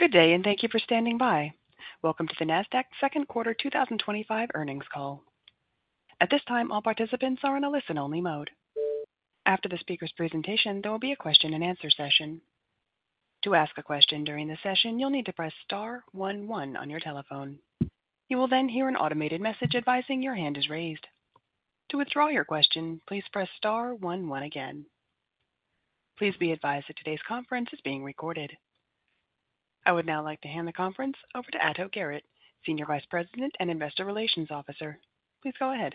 Good day, and thank you for standing by. Welcome to the Nasdaq second quarter 2025 earnings call. At this time, all participants are in a listen-only mode. After the speaker's presentation, there will be a question-and-answer session. To ask a question during the session, you'll need to press star one one on your telephone. You will then hear an automated message advising your hand is raised. To withdraw your question, please press star one one again. Please be advised that today's conference is being recorded. I would now like to hand the conference over to Ato Garrett, Senior Vice President and Investor Relations Officer. Please go ahead.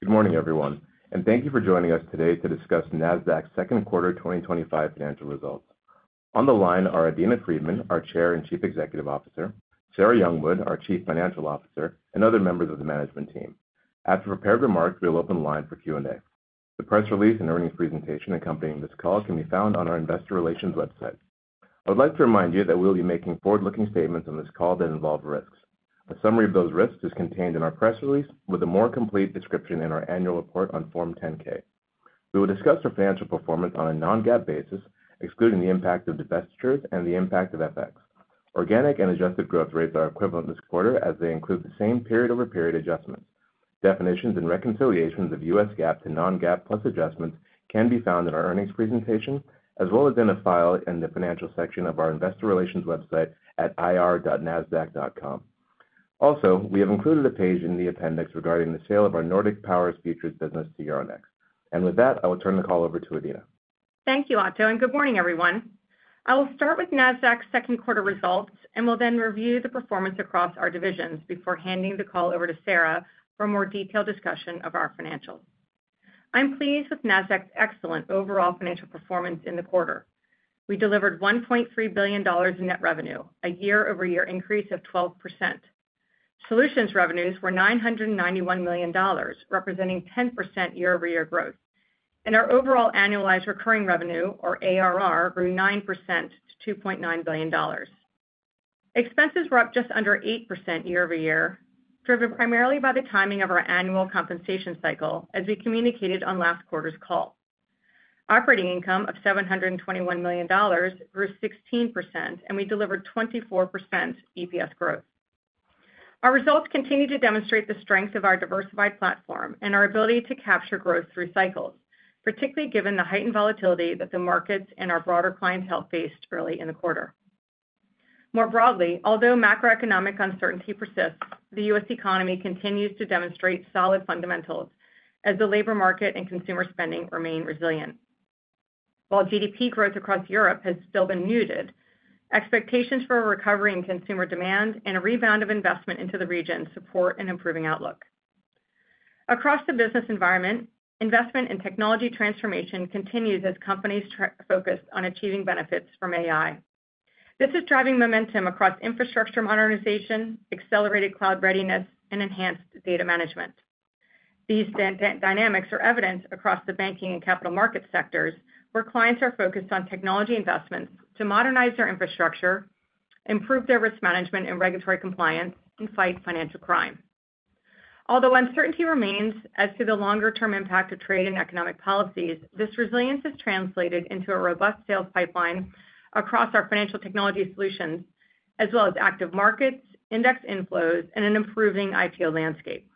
Good morning, everyone, and thank you for joining us today to discuss Nasdaq second quarter 2025 financial results. On the line are Adena Friedman, our Chair and Chief Executive Officer, Sarah Youngwood, our Chief Financial Officer, and other members of the management team. After prepared remarks, we'll open the line for Q&A. The press release and earnings presentation accompanying this call can be found on our Investor Relations website. I would like to remind you that we will be making forward-looking statements on this call that involve risks. A summary of those risks is contained in our press release with a more complete description in our annual report on Form 10-K. We will discuss our financial performance on a non-GAAP basis, excluding the impact of Divestitures and the impact of FX. Organic and adjusted growth rates are equivalent this quarter as they include the same period-over-period adjustments. Definitions and Reconciliations of U.S. GAAP to non-GAAP plus adjustments can be found in our earnings presentation, as well as in a file in the financial section of our Investor Relations website at ir.nasdaq.com. Also, we have included a page in the appendix regarding the sale of our Nordic Power's future business to Euronext. With that, I will turn the call over to Adena. Thank you, Ato, and good morning, everyone. I will start with Nasdaq's second quarter results and will then review the performance across our divisions before handing the call over to Sarah for a more detailed discussion of our financials. I'm pleased with Nasdaq's excellent overall financial performance in the quarter. We delivered $1.3 billion in net revenue, a year-over-year increase of 12%. Solutions Revenues were $991 million, representing 10% year-over-year growth, and our overall Annualized Recurring Revenue, or ARR, grew 9% to $2.9 billion. Expenses were up just under 8% year-over-year, driven primarily by the timing of our annual compensation cycle, as we communicated on last quarter's call. Operating income of $721 million grew 16%, and we delivered 24% EPS growth. Our results continue to demonstrate the strength of our diversified platform and our ability to capture growth through cycles, particularly given the heightened Volatility that the markets and our broader clients' health faced early in the quarter. More broadly, although macroeconomic uncertainty persists, the U.S. economy continues to demonstrate solid fundamentals as the labor market and consumer spending remain resilient. While GDP growth across Europe has still been muted, expectations for a recovery in consumer demand and a rebound of investment into the region support an improving outlook. Across the business environment, investment in technology transformation continues as companies focus on achieving benefits from AI. This is driving momentum across infrastructure modernization, accelerated cloud readiness, and enhanced data management. These dynamics are evident across the banking and capital market sectors, where clients are focused on technology investments to modernize their infrastructure, improve their risk management and regulatory compliance, and fight financial crime. Although uncertainty remains as to the longer-term impact of trade and economic policies, this resilience is translated into a robust sales pipeline across our financial technology solutions, as well as active markets, index inflows, and an improving IPO landscape.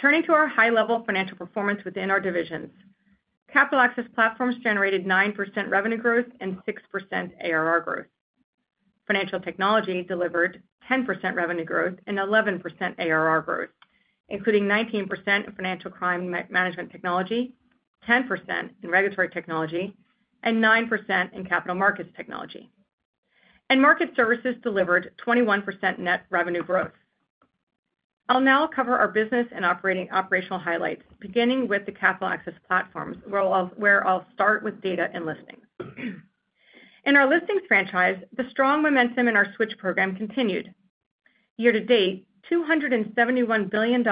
Turning to our high-level financial performance within our divisions, Capital Access Platforms generated 9% revenue growth and 6% ARR growth. Financial Technology delivered 10% revenue growth and 11% ARR growth, including 19% in financial crime management technology, 10% in Regulatory Technology, and 9% in capital markets technology. Market Services delivered 21% net revenue growth. I'll now cover our business and operational highlights, beginning with the Capital Access Platforms, where I'll start with data and listings. In our listings franchise, the strong momentum in our Switch Program continued. Year to date, $271 billion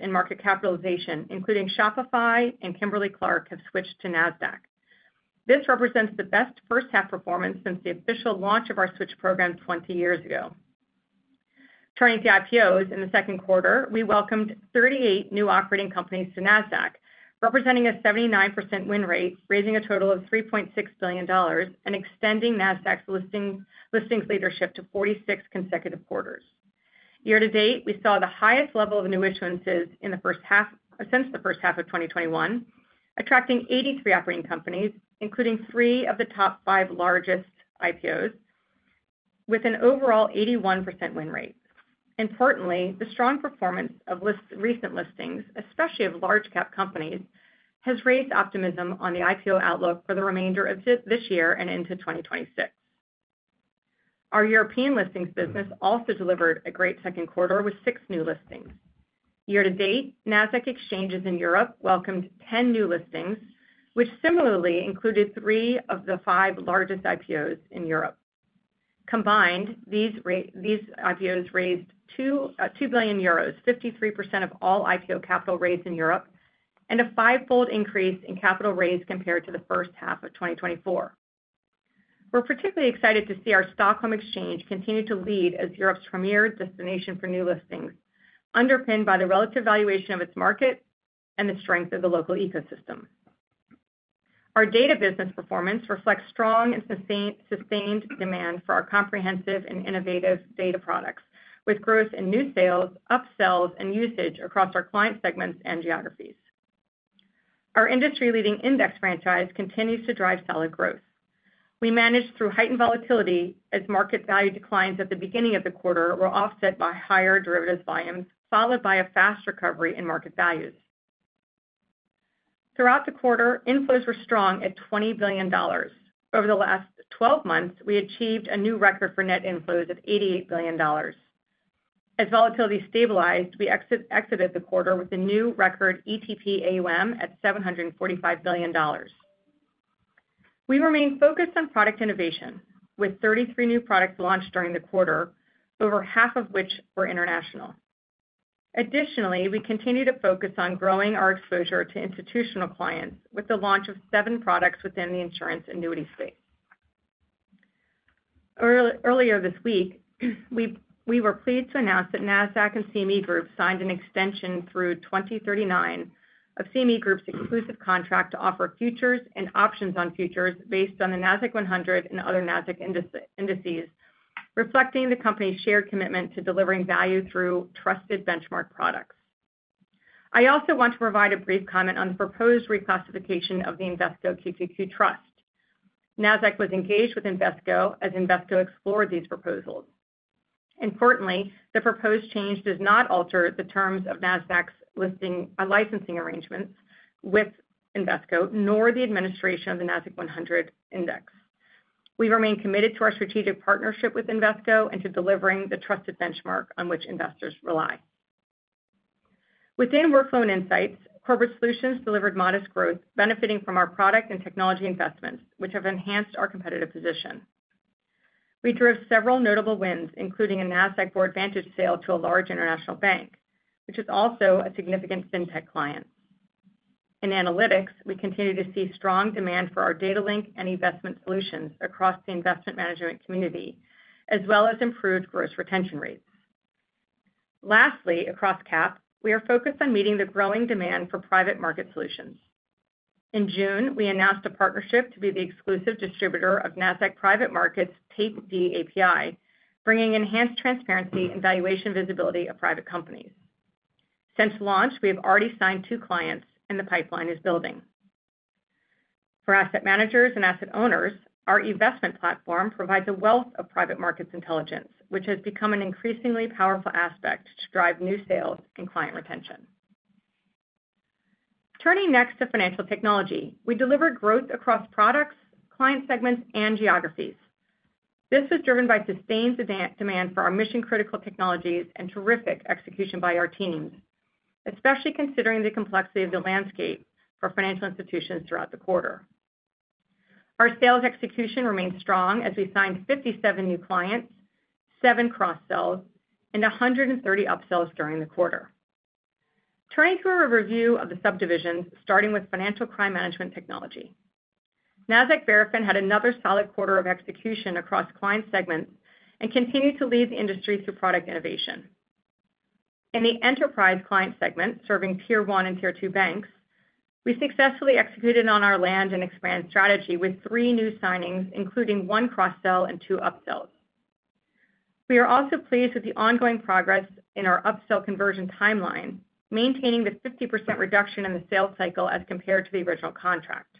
in market capitalization, including Shopify and Kimberly-Clark, have switched to Nasdaq. This represents the best first-half performance since the official launch of our Switch Program 20 years ago. Turning to IPOs in the second quarter, we welcomed 38 new operating companies to Nasdaq, representing a 79% win rate, raising a total of $3.6 billion and extending Nasdaq's listings leadership to 46 consecutive quarters. Year to date, we saw the highest level of new issuances in the first half since the first half of 2021, attracting 83 operating companies, including three of the top five largest IPOs, with an overall 81% win rate. Importantly, the strong performance of recent listings, especially of large-cap companies, has raised optimism on the IPO outlook for the remainder of this year and into 2026. Our European listings business also delivered a great second quarter with six new listings. Year to date, Nasdaq exchanges in Europe welcomed 10 new listings, which similarly included three of the five largest IPOs in Europe. Combined, these IPOs raised 2 billion euros, 53% of all IPO capital raised in Europe, and a fivefold increase in capital raised compared to the first half of 2024. We're particularly excited to see our Stockholm Exchange continue to lead as Europe's premier destination for new listings, underpinned by the relative valuation of its market and the strength of the local ecosystem. Our data business performance reflects strong and sustained demand for our comprehensive and innovative data products, with growth in new sales, upsells, and usage across our client segments and geographies. Our industry-leading index franchise continues to drive solid growth. We managed through heightened Volatility as market value declines at the beginning of the quarter were offset by higher derivatives volumes, followed by a fast recovery in market values. Throughout the quarter, inflows were strong at $20 billion. Over the last 12 months, we achieved a new record for net inflows of $88 billion. As Volatility stabilized, we exited the quarter with a new record ETP AUM at $745 billion. We remain focused on product innovation, with 33 new products launched during the quarter, over half of which were international. Additionally, we continue to focus on growing our exposure to institutional clients with the launch of seven products within the insurance annuity space. Earlier this week, we were pleased to announce that Nasdaq and CME Group signed an extension through 2039 of CME Group's exclusive contract to offer futures and options on futures based on the Nasdaq 100 and other Nasdaq indices, reflecting the company's shared commitment to delivering value through trusted benchmark products. I also want to provide a brief comment on the proposed reclassification of the Invesco QQQ Trust. Nasdaq was engaged with Invesco as Invesco explored these proposals. Importantly, the proposed change does not alter the terms of Nasdaq's licensing arrangements with Invesco, nor the administration of the Nasdaq 100 Index. We remain committed to our strategic partnership with Invesco and to delivering the trusted benchmark on which investors rely. Within Workflow and Insights, corporate solutions delivered modest growth, benefiting from our product and technology investments, which have enhanced our competitive position. We drove several notable wins, including a Nasdaq Boardvantage sale to a large international bank, which is also a significant fintech client. In analytics, we continue to see strong demand for our data link and investment solutions across the investment management community, as well as improved gross retention rates. Lastly, across CAP, we are focused on meeting the growing demand for Private Market Solutions. In June, we announced a partnership to be the exclusive distributor of Nasdaq Private Markets Tape D API, bringing enhanced transparency and valuation visibility of private companies. Since launch, we have already signed two clients, and the pipeline is building. For asset managers and asset owners, our investment platform provides a wealth of private markets intelligence, which has become an increasingly powerful aspect to drive new sales and client retention. Turning next to financial technology, we delivered growth across products, client segments, and geographies. This was driven by sustained demand for our mission-critical technologies and terrific execution by our teams, especially considering the complexity of the landscape for financial institutions throughout the quarter. Our sales execution remained strong as we signed 57 new clients, seven Cross-Sells, and 130 upsells during the quarter. Turning to a review of the subdivisions, starting with financial crime management technology, Nasdaq Verafin had another solid quarter of execution across client segments and continued to lead the industry through product innovation. In the enterprise client segment, serving Tier one and Tier two banks, we successfully executed on our land and expand strategy with three new signings, including one Cross-Sell and two upsells. We are also pleased with the ongoing progress in our upsell conversion timeline, maintaining the 50% reduction in the sales cycle as compared to the original contract.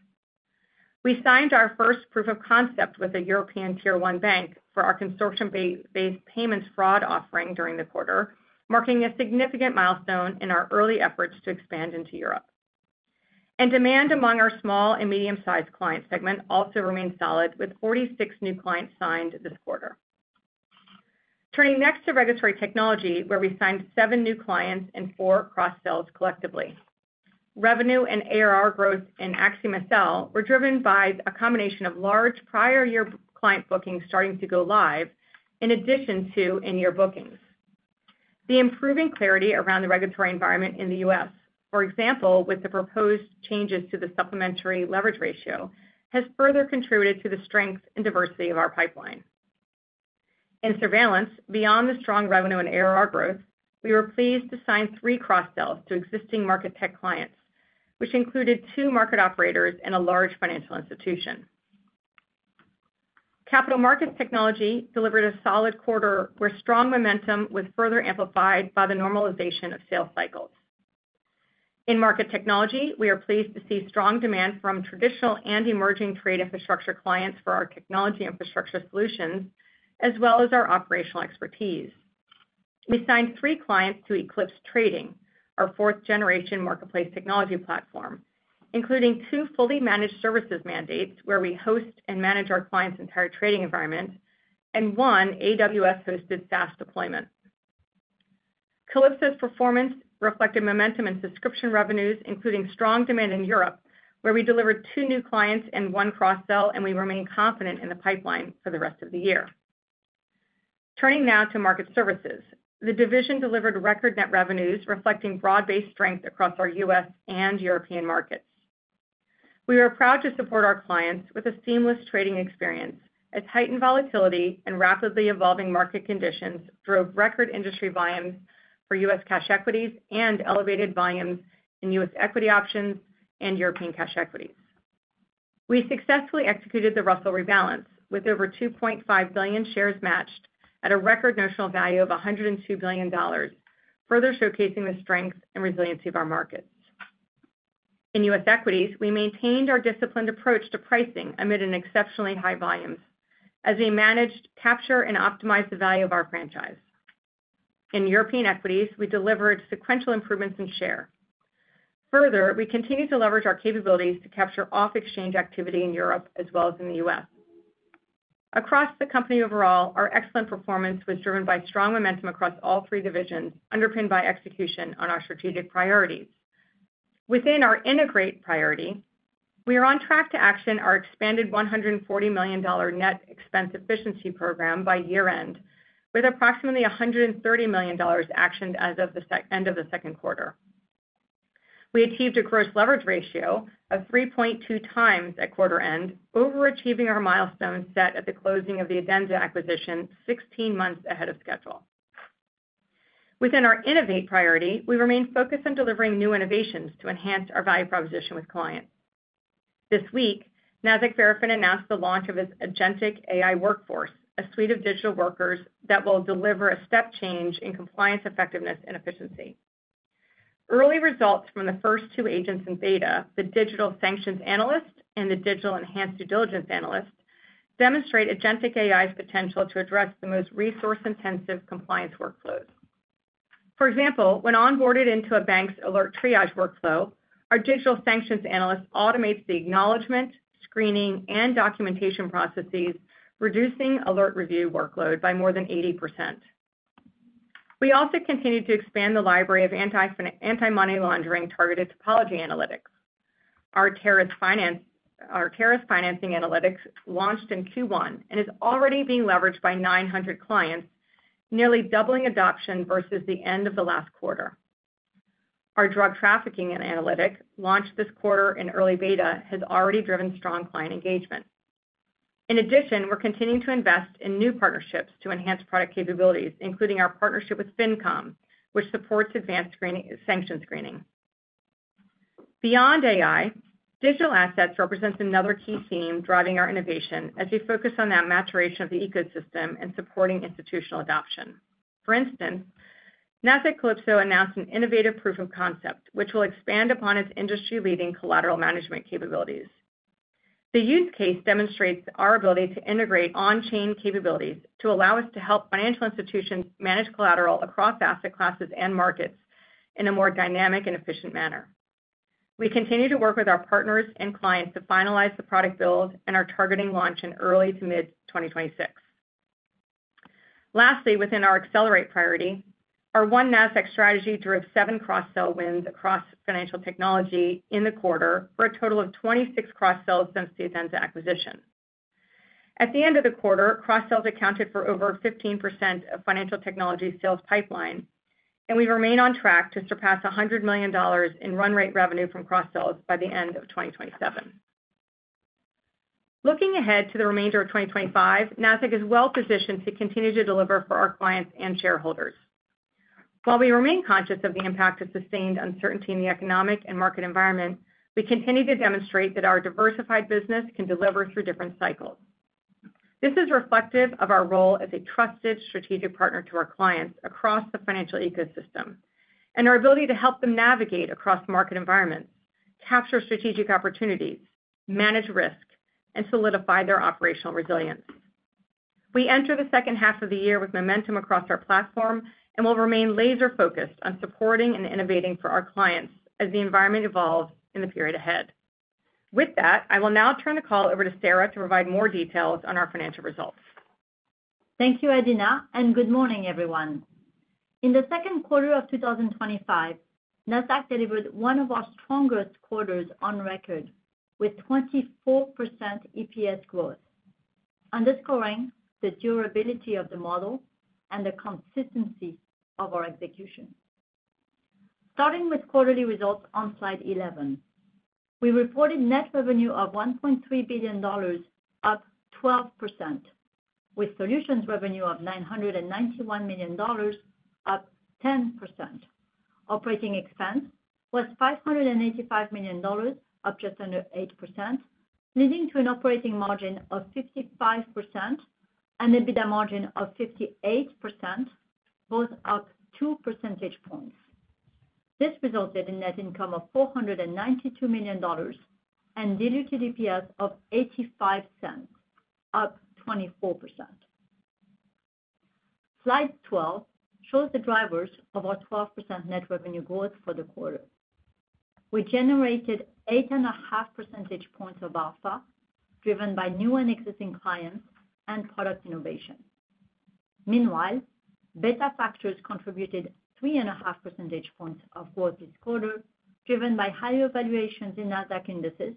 We signed our first proof of concept with a European Tier one bank for our Consortium-based Payments Fraud offering during the quarter, marking a significant milestone in our early efforts to expand into Europe. Demand among our small and medium-sized client segment also remained solid, with 46 new clients signed this quarter. Turning next to Regulatory Technology, where we signed seven new clients and four Cross-Sells collectively. Revenue and ARR growth in AxiomSL were driven by a combination of large prior-year client bookings starting to go live, in addition to in-year bookings. The improving clarity around the regulatory environment in the U.S., for example, with the proposed changes to the Supplementary Leverage Ratio, has further contributed to the strength and diversity of our pipeline. In surveillance, beyond the strong revenue and ARR growth, we were pleased to sign three Cross-Sells to existing market technology clients, which included two market operators and a large financial institution. Capital Markets Technology delivered a solid quarter where strong momentum was further amplified by the normalization of sales cycles. In market technology, we are pleased to see strong demand from traditional and emerging trade infrastructure clients for our technology infrastructure solutions, as well as our operational expertise. We signed three clients to Eclipse Trading, our fourth-generation marketplace technology platform, including two fully managed services mandates where we host and manage our clients' entire trading environment and one AWS-hosted SaaS deployment. Calypso's performance reflected momentum in subscription revenues, including strong demand in Europe, where we delivered two new clients and one Cross-Sell, and we remain confident in the pipeline for the rest of the year. Turning now to market services, the division delivered record net revenues, reflecting broad-based strength across our U.S. and European markets. We are proud to support our clients with a seamless trading experience, as heightened Volatility and rapidly evolving market conditions drove record industry volumes for U.S. cash equities and elevated volumes in U.S. equity options and European cash equities. We successfully executed the Russell rebalance, with over 2.5 billion shares matched at a record notional value of $102 billion, further showcasing the strength and resiliency of our markets. In U.S. equities, we maintained our disciplined approach to pricing amid exceptionally high volumes, as we managed, captured, and optimized the value of our franchise. In European equities, we delivered sequential improvements in share. Further, we continue to leverage our capabilities to capture off-exchange activity in Europe as well as in the U.S. Across the company overall, our excellent performance was driven by strong momentum across all three divisions, underpinned by execution on our strategic priorities. Within our integrate priority, we are on track to action our expanded $140 million net expense efficiency program by year-end, with approximately $130 million actioned as of the end of the second quarter. We achieved a gross leverage ratio of 3.2 times at quarter-end, overachieving our milestone set at the closing of the Adenza acquisition 16 months ahead of schedule. Within our innovate priority, we remain focused on delivering new innovations to enhance our value proposition with clients. This week, Nasdaq Verafin announced the launch of its Agentic AI Workforce, a suite of digital workers that will deliver a step change in compliance effectiveness and efficiency. Early results from the first two agents in beta, the Digital Sanctions Analyst and the Digital Enhanced Due Diligence Analyst, demonstrate Agentic AI's potential to address the most resource-intensive compliance workflows. For example, when onboarded into a bank's alert triage workflow, our Digital Sanctions Analyst automates the acknowledgment, screening, and documentation processes, reducing alert review workload by more than 80%. We also continue to expand the library of anti–money laundering targeted topology analytics. Our terrorist financing analytics launched in Q1 and is already being leveraged by 900 clients, nearly doubling adoption versus the end of the last quarter. Our drug trafficking analytic, launched this quarter in early beta, has already driven strong client engagement. In addition, we're continuing to invest in new partnerships to enhance product capabilities, including our partnership with Fincom, which supports advanced sanction screening. Beyond AI, Digital Assets represent another key theme driving our innovation as we focus on that maturation of the ecosystem and supporting institutional adoption. For instance. Nasdaq Calypso announced an innovative proof of concept, which will expand upon its industry-leading collateral management capabilities. The use case demonstrates our ability to integrate on-chain capabilities to allow us to help financial institutions manage collateral across asset classes and markets in a more dynamic and efficient manner. We continue to work with our partners and clients to finalize the product build and are targeting launch in early to mid-2026. Lastly, within our accelerate priority, our one Nasdaq strategy drove seven Cross-Sell wins across financial technology in the quarter for a total of 26 cros-sells since the Adenza acquisition. At the end of the quarter, Cross-Sells accounted for over 15% of financial technology sales pipeline, and we remain on track to surpass $100 million in run rate revenue from Cross-Sells by the end of 2027. Looking ahead to the remainder of 2025, Nasdaq is well positioned to continue to deliver for our clients and shareholders. While we remain conscious of the impact of sustained uncertainty in the economic and market environment, we continue to demonstrate that our diversified business can deliver through different cycles. This is reflective of our role as a trusted strategic partner to our clients across the financial ecosystem and our ability to help them navigate across market environments, capture strategic opportunities, manage risk, and solidify their operational resilience. We enter the second half of the year with momentum across our platform and will remain laser-focused on supporting and innovating for our clients as the environment evolves in the period ahead. With that, I will now turn the call over to Sarah to provide more details on our financial results. Thank you, Adena, and good morning, everyone. In the second quarter of 2025, Nasdaq delivered one of our strongest quarters on record, with 24% EPS growth. Underscoring the durability of the model and the consistency of our execution. Starting with quarterly results on slide 11, we reported net revenue of $1.3 billion, up 12%. With Solutions Revenue of $991 million, up 10%. Operating expense was $585 million, up just under 8%, leading to an operating margin of 55% and EBITDA margin of 58%. Both up 2 percentage points. This resulted in net income of $492 million. And diluted EPS of $0.85, up 24%. Slide 12 shows the drivers of our 12% net revenue growth for the quarter. We generated 8.5 percentage points of alpha, driven by new and existing clients and product innovation. Meanwhile, Beta Factors contributed 3.5 percentage points of growth this quarter, driven by higher valuations in Nasdaq indices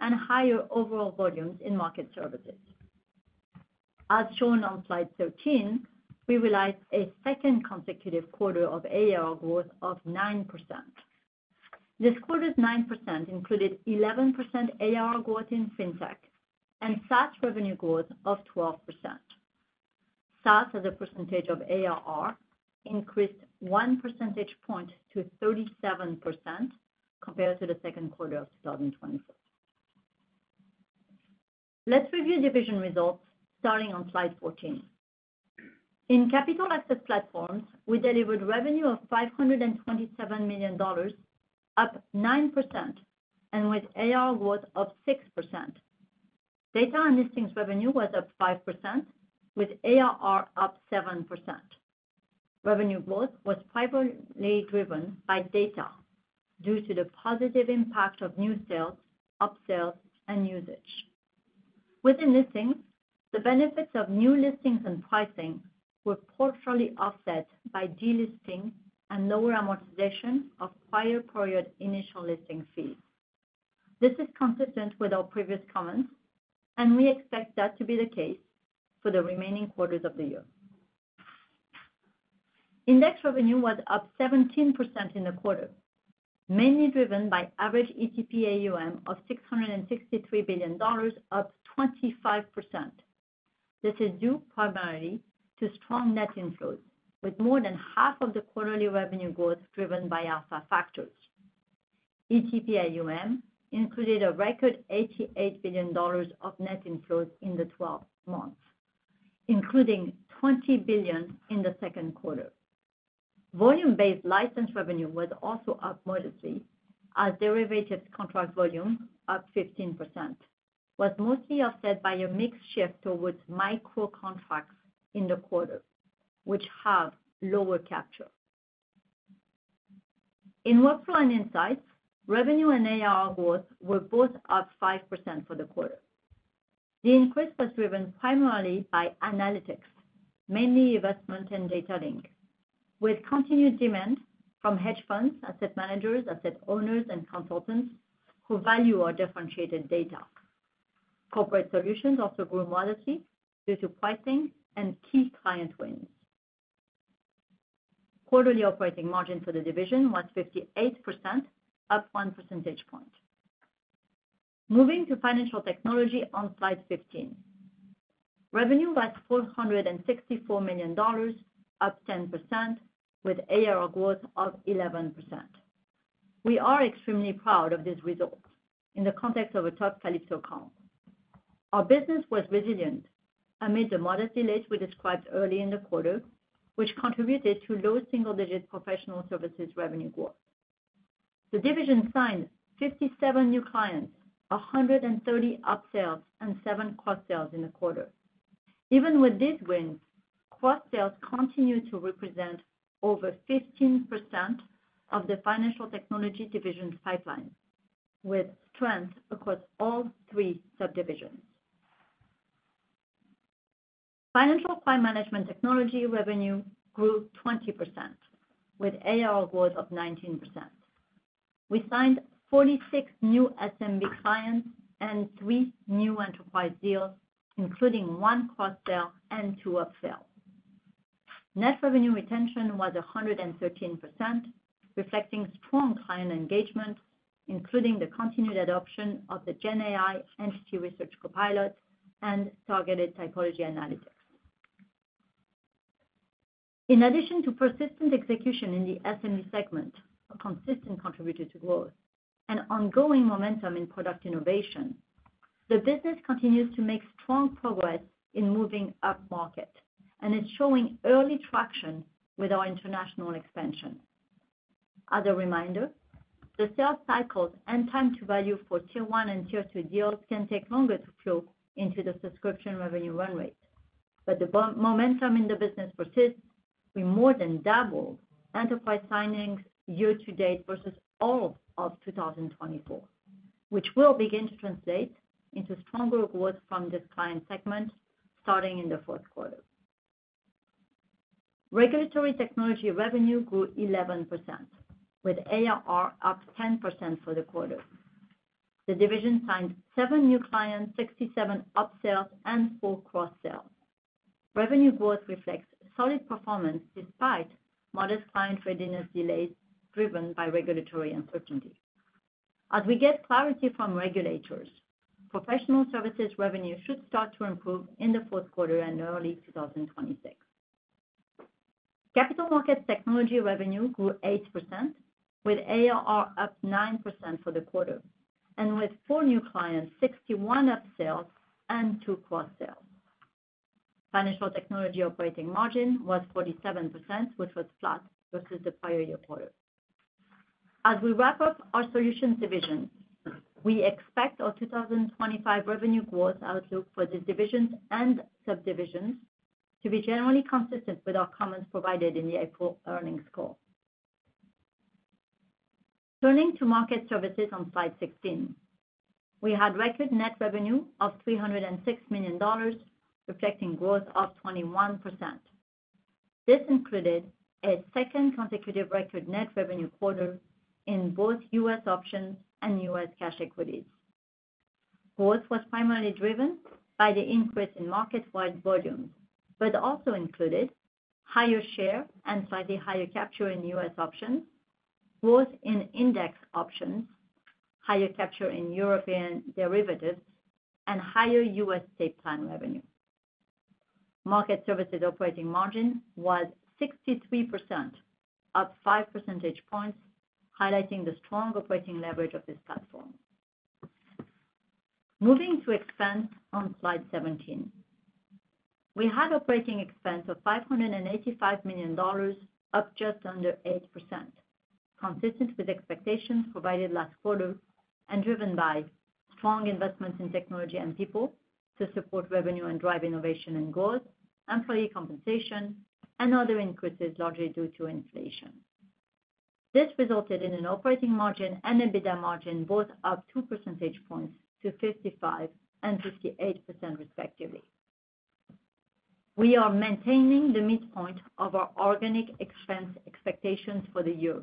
and higher overall volumes in market services. As shown on slide 13, we realized a second consecutive quarter of ARR growth of 9%. This quarter's 9% included 11% ARR growth in fintech and SaaS revenue growth of 12%. SaaS, as a percentage of ARR, increased 1 percentage point to 37% compared to the second quarter of 2024. Let's review division results starting on slide 14. In Capital Access Platforms, we delivered revenue of $527 million, up 9%, and with ARR growth of 6%. Data and listings revenue was up 5%, with ARR up 7%. Revenue growth was primarily driven by data due to the positive impact of new sales, upsales, and usage. Within listings, the benefits of new listings and pricing were partially offset by delisting and lower amortization of prior-period initial listing fees. This is consistent with our previous comments, and we expect that to be the case for the remaining quarters of the year. Index revenue was up 17% in the quarter, mainly driven by average ETP AUM of $663 billion, up 25%. This is due primarily to strong net inflows, with more than half of the quarterly revenue growth driven by Alpha factors. ETP AUM included a record $88 billion of net inflows in the 12 months, including $20 billion in the second quarter. Volume-based license revenue was also up modestly, as Derivatives Contract Volume, up 15%, was mostly offset by a mixed shift towards micro contracts in the quarter, which have lower capture. In workflow and insights, revenue and ARR growth were both up 5% for the quarter. The increase was driven primarily by analytics, mainly investment and data link, with continued demand from hedge funds, asset managers, asset owners, and consultants who value our differentiated data. Corporate solutions also grew modestly due to pricing and key client wins. Quarterly operating margin for the division was 58%, up 1 percentage point. Moving to financial technology on slide 15. Revenue was $464 million, up 10%, with ARR growth of 11%. We are extremely proud of this result in the context of a tough Calypso comp. Our business was resilient amid the modest delays we described early in the quarter, which contributed to low single-digit professional services revenue growth. The division signed 57 new clients, 130 upsales, and 7 cross-sales in the quarter. Even with these wins, cross-sales continued to represent over 15% of the financial technology division's pipeline, with strength across all three subdivisions. Financial client management technology revenue grew 20%, with ARR growth of 19%. We signed 46 new SMB clients and three new enterprise deals, including one cross-sale and two upsales. Net revenue retention was 113%, reflecting strong client engagement, including the continued adoption of the GenAI Entity Research Copilot and targeted typology analytics. In addition to persistent execution in the SMB segment, consistent contributor to growth, and ongoing momentum in product innovation, the business continues to make strong progress in moving up market and is showing early traction with our international expansion. As a reminder, the sales cycles and time to value for tier one and tier two deals can take longer to flow into the subscription revenue run rate. The momentum in the business persists; we more than doubled enterprise signings year-to-date versus all of 2024, which will begin to translate into stronger growth from this client segment starting in the fourth quarter. Regulatory technology revenue grew 11%, with ARR up 10% for the quarter. The division signed seven new clients, 67 upsales, and four cross-sales. Revenue growth reflects solid performance despite modest client readiness delays driven by regulatory uncertainty. As we get clarity from regulators, professional services revenue should start to improve in the fourth quarter and early 2026. Capital markets technology revenue grew 8%, with ARR up 9% for the quarter, and with four new clients, 61 upsales, and two cross-sales. Financial technology operating margin was 47%, which was flat versus the prior year quarter. As we wrap up our solutions divisions, we expect our 2025 revenue growth outlook for these divisions and subdivisions to be generally consistent with our comments provided in the April earnings call. Turning to market services on slide 16. We had record net revenue of $306 million, reflecting growth of 21%. This included a second consecutive record net revenue quarter in both U.S. options and U.S. cash equities. Growth was primarily driven by the increase in market-wide volumes, but also included higher share and slightly higher capture in U.S. options, growth in index options, higher capture in European derivatives, and higher U.S. state plan revenue. Market services operating margin was 63%, up 5 percentage points, highlighting the strong operating leverage of this platform. Moving to expense on slide 17. We had operating expense of $585 million, up just under 8%. Consistent with expectations provided last quarter and driven by strong investments in technology and people to support revenue and drive innovation and growth, employee compensation, and other increases largely due to inflation. This resulted in an operating margin and EBITDA margin both up 2 percentage points to 55% and 58%, respectively. We are maintaining the midpoint of our organic expense expectations for the year,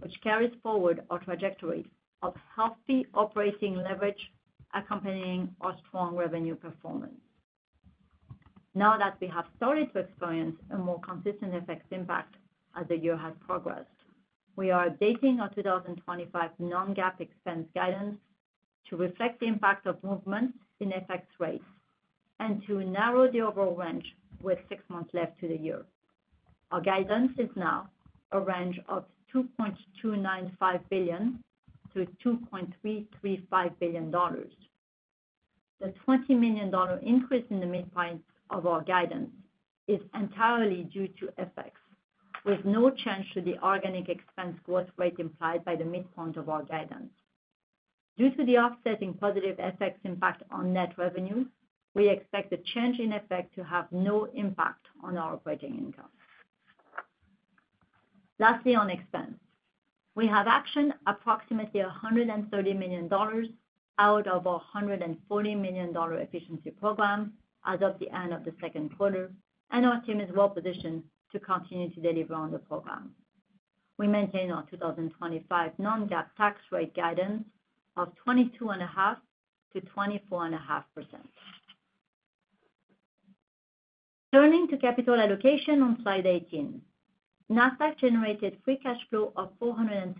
which carries forward our trajectory of healthy operating leverage accompanying our strong revenue performance. Now that we have started to experience a more consistent FX impact as the year has progressed, we are updating our 2025 non-GAAP expense guidance to reflect the impact of movements in FX rates and to narrow the overall range with six months left to the year. Our guidance is now a range of $2.295 billion-$2.335 billion. The $20 million increase in the midpoint of our guidance is entirely due to FX, with no change to the organic expense growth rate implied by the midpoint of our guidance. Due to the offsetting positive FX impact on net revenue, we expect the change in FX to have no impact on our operating income. Lastly, on expense, we have actioned approximately $130 million out of our $140 million efficiency program as of the end of the second quarter, and our team is well positioned to continue to deliver on the program. We maintain our 2025 non-GAAP tax rate guidance of 22.5%-24.5%. Turning to capital allocation on slide 18. Nasdaq generated free cash flow of $467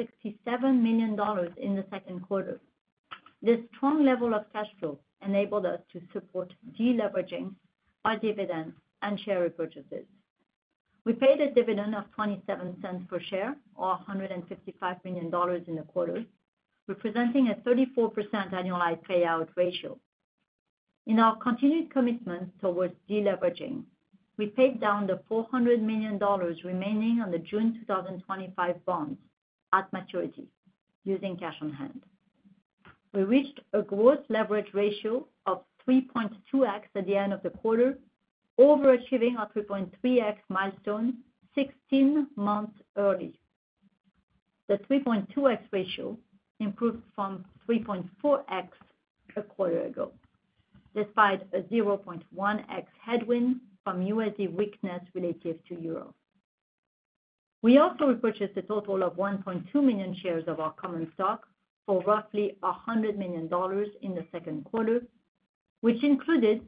million in the second quarter. This strong level of cash flow enabled us to support deleveraging, our dividends, and share repurchases. We paid a dividend of $0.27 per share, or $155 million in the quarter, representing a 34% annualized payout ratio. In our continued commitment towards deleveraging, we paid down the $400 million remaining on the June 2025 bonds at maturity using cash on hand. We reached a gross leverage ratio of 3.2x at the end of the quarter, overachieving our 3.3x milestone 16 months early. The 3.2x ratio improved from 3.4x a quarter ago, despite a 0.1x headwind from USD weakness relative to euro. We also repurchased a total of 1.2 million shares of our common stock for roughly $100 million in the second quarter, which included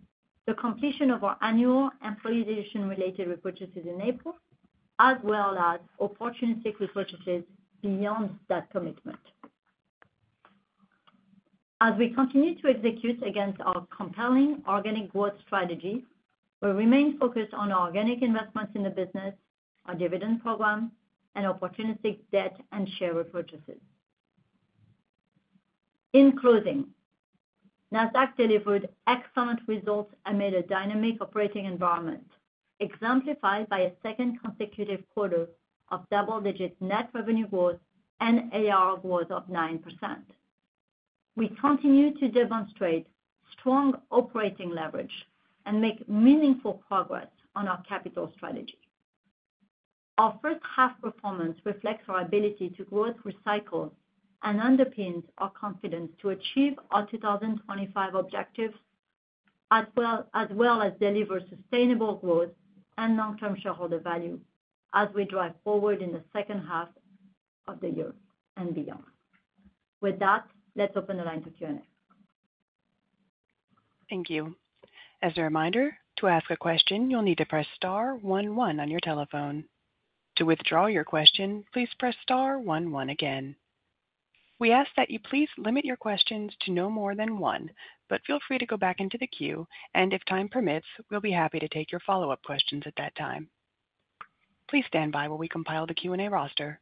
the completion of our annual employee decision-related repurchases in April, as well as opportunistic repurchases beyond that commitment. As we continue to execute against our compelling organic growth strategy, we remain focused on our organic investments in the business, our dividend program, and opportunistic debt and share repurchases. In closing, Nasdaq delivered excellent results amid a dynamic operating environment, exemplified by a second consecutive quarter of double-digit net revenue growth and ARR growth of 9%. We continue to demonstrate strong operating leverage and make meaningful progress on our capital strategy. Our first-half performance reflects our ability to grow through cycles and underpins our confidence to achieve our 2025 objectives, as well as deliver sustainable growth and long-term shareholder value as we drive forward in the second half of the year and beyond. With that, let's open the line to Q&A. Thank you. As a reminder, to ask a question, you'll need to press star one one on your telephone. To withdraw your question, please press star one one again. We ask that you please limit your questions to no more than one, but feel free to go back into the queue, and if time permits, we'll be happy to take your follow-up questions at that time. Please stand by while we compile the Q&A roster.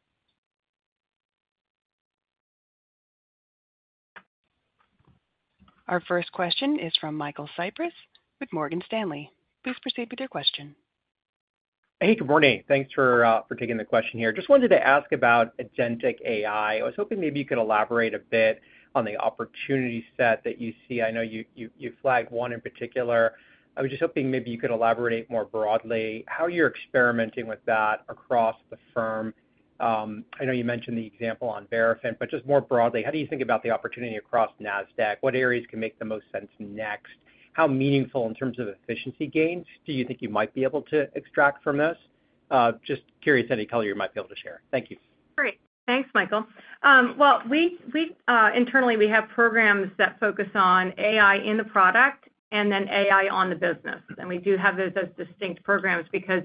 Our first question is from Michael Cyprys with Morgan Stanley. Please proceed with your question. Hey, good morning. Thanks for taking the question here. Just wanted to ask about Agentic AI. I was hoping maybe you could elaborate a bit on the opportunity set that you see. I know you flagged one in particular. I was just hoping maybe you could elaborate more broadly how you're experimenting with that across the firm. I know you mentioned the example on Verafin, but just more broadly, how do you think about the opportunity across Nasdaq? What areas can make the most sense next? How meaningful in terms of efficiency gains do you think you might be able to extract from this? Just curious any color you might be able to share. Thank you. Great, thanks, Michael. Internally, we have programs that focus on AI in the product and then AI on the business. We do have those as distinct programs because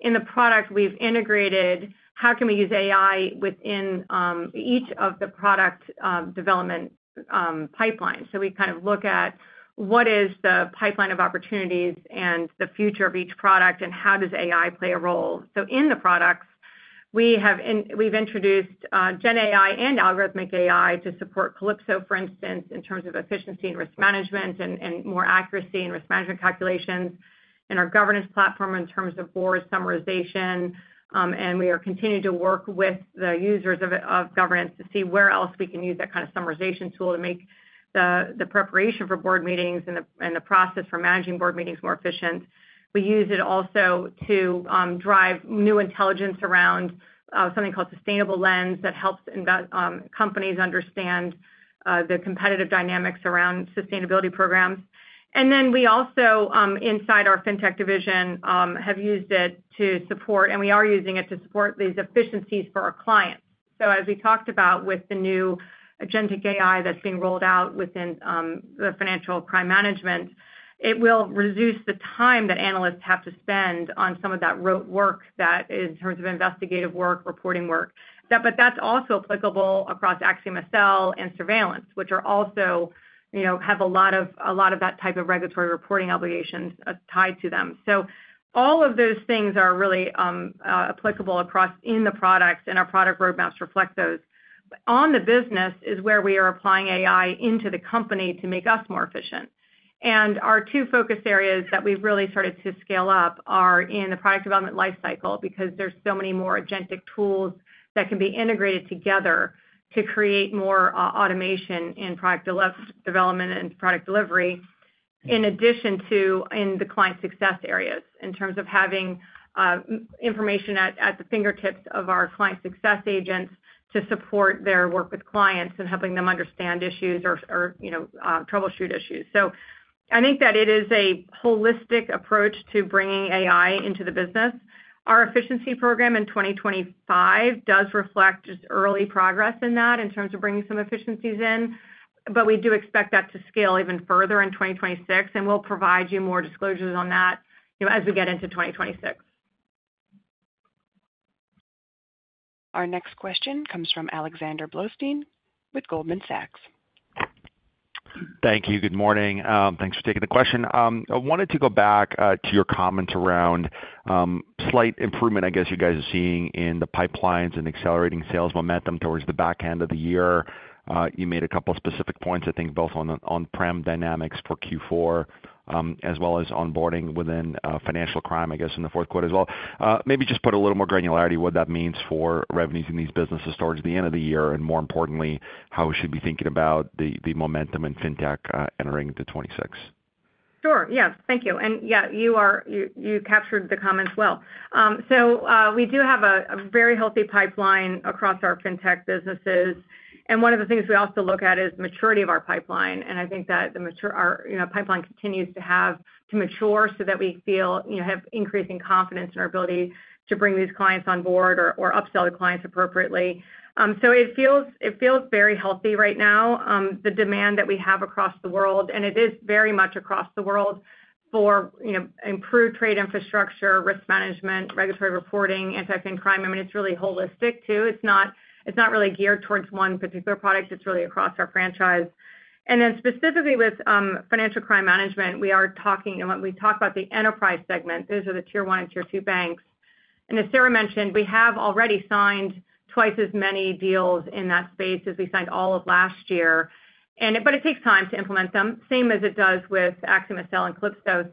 in the product, we've integrated how can we use AI within each of the product development pipelines. We kind of look at what is the pipeline of opportunities and the future of each product, and how does AI play a role. In the products, we've introduced GenAI and Algorithmic AI to support Calypso, for instance, in terms of efficiency and risk management and more accuracy in risk management calculations, and our governance platform in terms of board summarization. We are continuing to work with the users of governance to see where else we can use that kind of summarization tool to make the preparation for board meetings and the process for managing board meetings more efficient. We use it also to drive new intelligence around something called Sustainable Lens that helps companies understand the competitive dynamics around sustainability programs. We also, inside our fintech division, have used it to support, and we are using it to support, these efficiencies for our clients. As we talked about with the new Agentic AI that's being rolled out within the financial crime management, it will reduce the time that analysts have to spend on some of that rote work that is in terms of investigative work, reporting work. That's also applicable across AxiomSL and surveillance, which also have a lot of that type of regulatory reporting obligations tied to them. All of those things are really applicable across in the products, and our product roadmaps reflect those. On the business is where we are applying AI into the company to make us more efficient. Our two focus areas that we've really started to scale up are in the product development lifecycle because there are so many more Agentic tools that can be integrated together to create more automation in product development and product delivery, in addition to in the client success areas in terms of having information at the fingertips of our client success agents to support their work with clients and helping them understand issues or troubleshoot issues. I think that it is a holistic approach to bringing AI into the business. Our efficiency program in 2025 does reflect just early progress in that in terms of bringing some efficiencies in, but we do expect that to scale even further in 2026, and we'll provide you more disclosures on that as we get into 2026. Our next question comes from Alexander Blostein with Goldman Sachs. Thank you. Good morning. Thanks for taking the question. I wanted to go back to your comments around slight improvement, I guess, you guys are seeing in the pipelines and accelerating sales momentum towards the back end of the year. You made a couple of specific points, I think, both on on-prem dynamics for Q4 as well as onboarding within financial crime, I guess, in the fourth quarter as well. Maybe just put a little more granularity of what that means for revenues in these businesses towards the end of the year and, more importantly, how we should be thinking about the momentum in fintech entering the 2026. Sure. Yes. Thank you. And yeah, you captured the comments well. We do have a very healthy pipeline across our fintech businesses. One of the things we also look at is maturity of our pipeline. I think that the pipeline continues to have to mature so that we feel have increasing confidence in our ability to bring these clients on board or upsell the clients appropriately. It feels very healthy right now, the demand that we have across the world. It is very much across the world for improved trade infrastructure, risk management, regulatory reporting, anti-fin crime. I mean, it's really holistic too. It's not really geared towards one particular product. It's really across our franchise. Specifically with financial crime management, we are talking when we talk about the enterprise segment, those are the tier one and tier two banks. As Sarah mentioned, we have already signed twice as many deals in that space as we signed all of last year. It takes time to implement them, same as it does with AxiomSL and Calypso.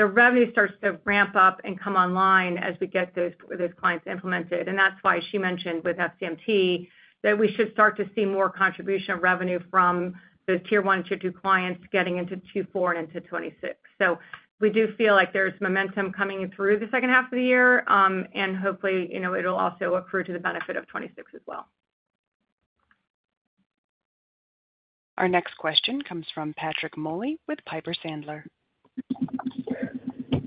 The revenue starts to ramp up and come online as we get those clients implemented. That's why she mentioned with FCM that we should start to see more contribution of revenue from those tier one and tier two clients getting into Q4 and into 2026. We do feel like there's momentum coming through the second half of the year, and hopefully, it'll also accrue to the benefit of 2026 as well. Our next question comes from Patrick Moley with Piper Sandler.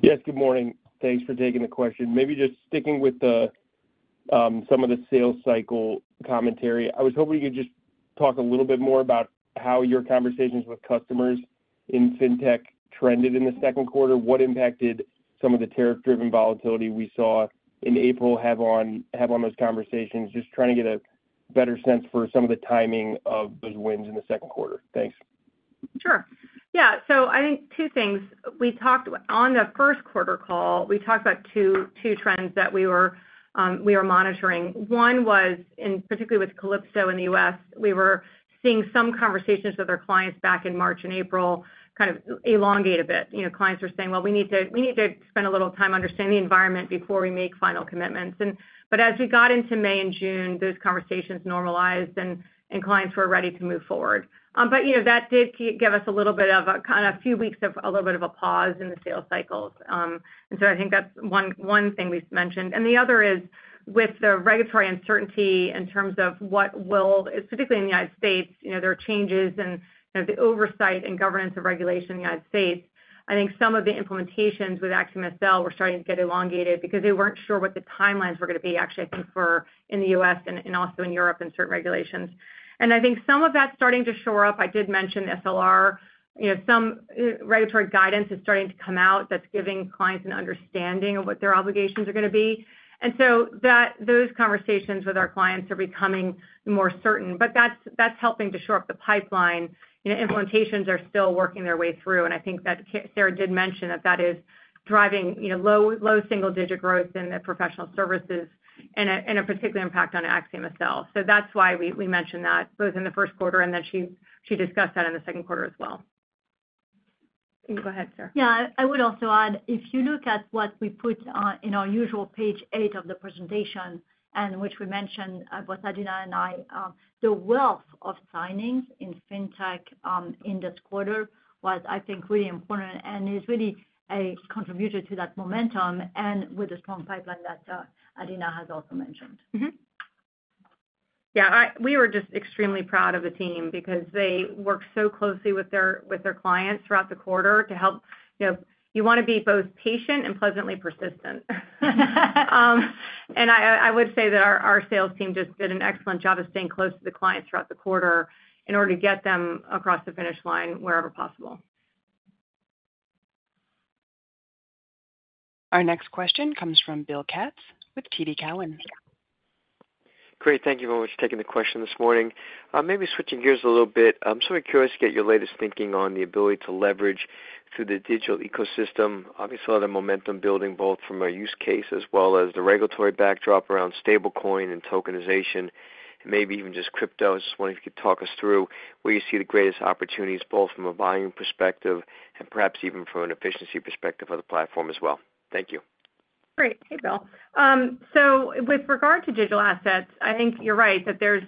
Yes, good morning. Thanks for taking the question. Maybe just sticking with some of the sales cycle commentary, I was hoping you could just talk a little bit more about how your conversations with customers in fintech trended in the second quarter, what impact did some of the tariff-driven Volatility we saw in April have on those conversations, just trying to get a better sense for some of the timing of those wins in the second quarter. Thanks. Sure. Yeah. I think two things. On the first quarter call, we talked about two trends that we were monitoring. One was, and particularly with Calypso in the U.S., we were seeing some conversations with our clients back in March and April kind of elongate a bit. Clients were saying, "We need to spend a little time understanding the environment before we make final commitments." As we got into May and June, those conversations normalized, and clients were ready to move forward. That did give us a little bit of a kind of a few weeks of a little bit of a pause in the sales cycles. I think that's one thing we mentioned. The other is with the regulatory uncertainty in terms of what will, particularly in the United States, there are changes in the oversight and governance of regulation in the United States. I think some of the implementations with AxiomSL were starting to get elongated because they were not sure what the timelines were going to be, actually, I think, for in the U.S. and also in Europe and certain regulations. I think some of that is starting to show up. I did mention SLR. Some regulatory guidance is starting to come out that is giving clients an understanding of what their obligations are going to be. Those conversations with our clients are becoming more certain. That is helping to shore up the pipeline. Implementations are still working their way through. I think that Sarah did mention that that is driving low single-digit growth in the professional services and a particular impact on AxiomSL. That is why we mentioned that both in the first quarter, and then she discussed that in the second quarter as well. Go ahead, Sarah. Yeah. I would also add, if you look at what we put in our usual page eight of the presentation, which we mentioned both Adena and I, the wealth of signings in fintech in this quarter was, I think, really important and is really a contributor to that momentum and with the strong pipeline that Adena has also mentioned. Yeah. We were just extremely proud of the team because they worked so closely with their clients throughout the quarter to help. You want to be both patient and pleasantly persistent. I would say that our sales team just did an excellent job of staying close to the clients throughout the quarter in order to get them across the finish line wherever possible. Our next question comes from Bill Katz with TD Cowen. Great. Thank you very much for taking the question this morning. Maybe switching gears a little bit, I am sort of curious to get your latest thinking on the ability to leverage through the digital ecosystem, obviously a lot of momentum building both from a use case as well as the regulatory backdrop around stablecoin and tokenization, and maybe even just crypto. I just wonder if you could talk us through where you see the greatest opportunities both from a volume perspective and perhaps even from an efficiency perspective of the platform as well. Thank you. Great. Hey, Bill. With regard to Digital Assets, I think you are right that there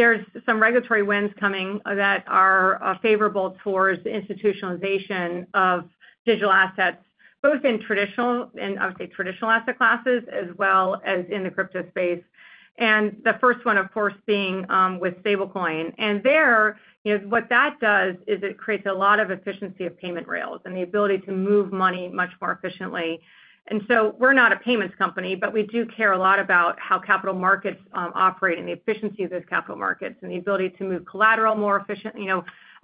are some regulatory wins coming that are favorable towards the institutionalization of Digital Assets, both in traditional and, I would say, traditional asset classes as well as in the crypto space. The first one, of course, being with stablecoin. What that does is it creates a lot of efficiency of payment rails and the ability to move money much more efficiently. We're not a payments company, but we do care a lot about how capital markets operate and the efficiency of those capital markets and the ability to move collateral more efficiently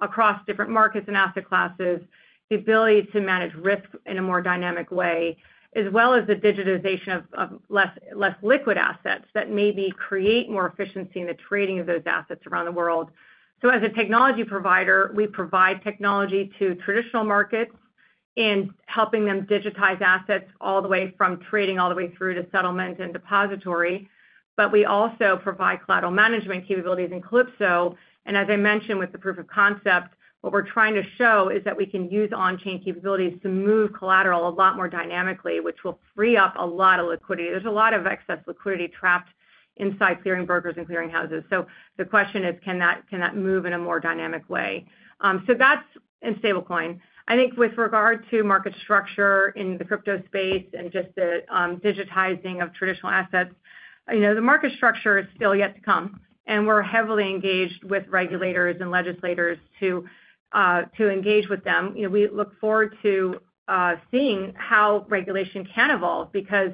across different markets and asset classes, the ability to manage risk in a more dynamic way, as well as the digitization of less liquid assets that maybe create more efficiency in the trading of those assets around the world. As a technology provider, we provide technology to traditional markets in helping them digitize assets all the way from trading all the way through to settlement and depository. We also provide collateral management capabilities in Calypso. As I mentioned with the proof of concept, what we're trying to show is that we can use on-chain capabilities to move collateral a lot more dynamically, which will free up a lot of liquidity. There's a lot of excess liquidity trapped inside clearing brokers and clearing houses. The question is, can that move in a more dynamic way? That's in stablecoin. I think with regard to market structure in the crypto space and just the digitizing of traditional assets, the market structure is still yet to come. We're heavily engaged with regulators and legislators to engage with them. We look forward to seeing how regulation can evolve because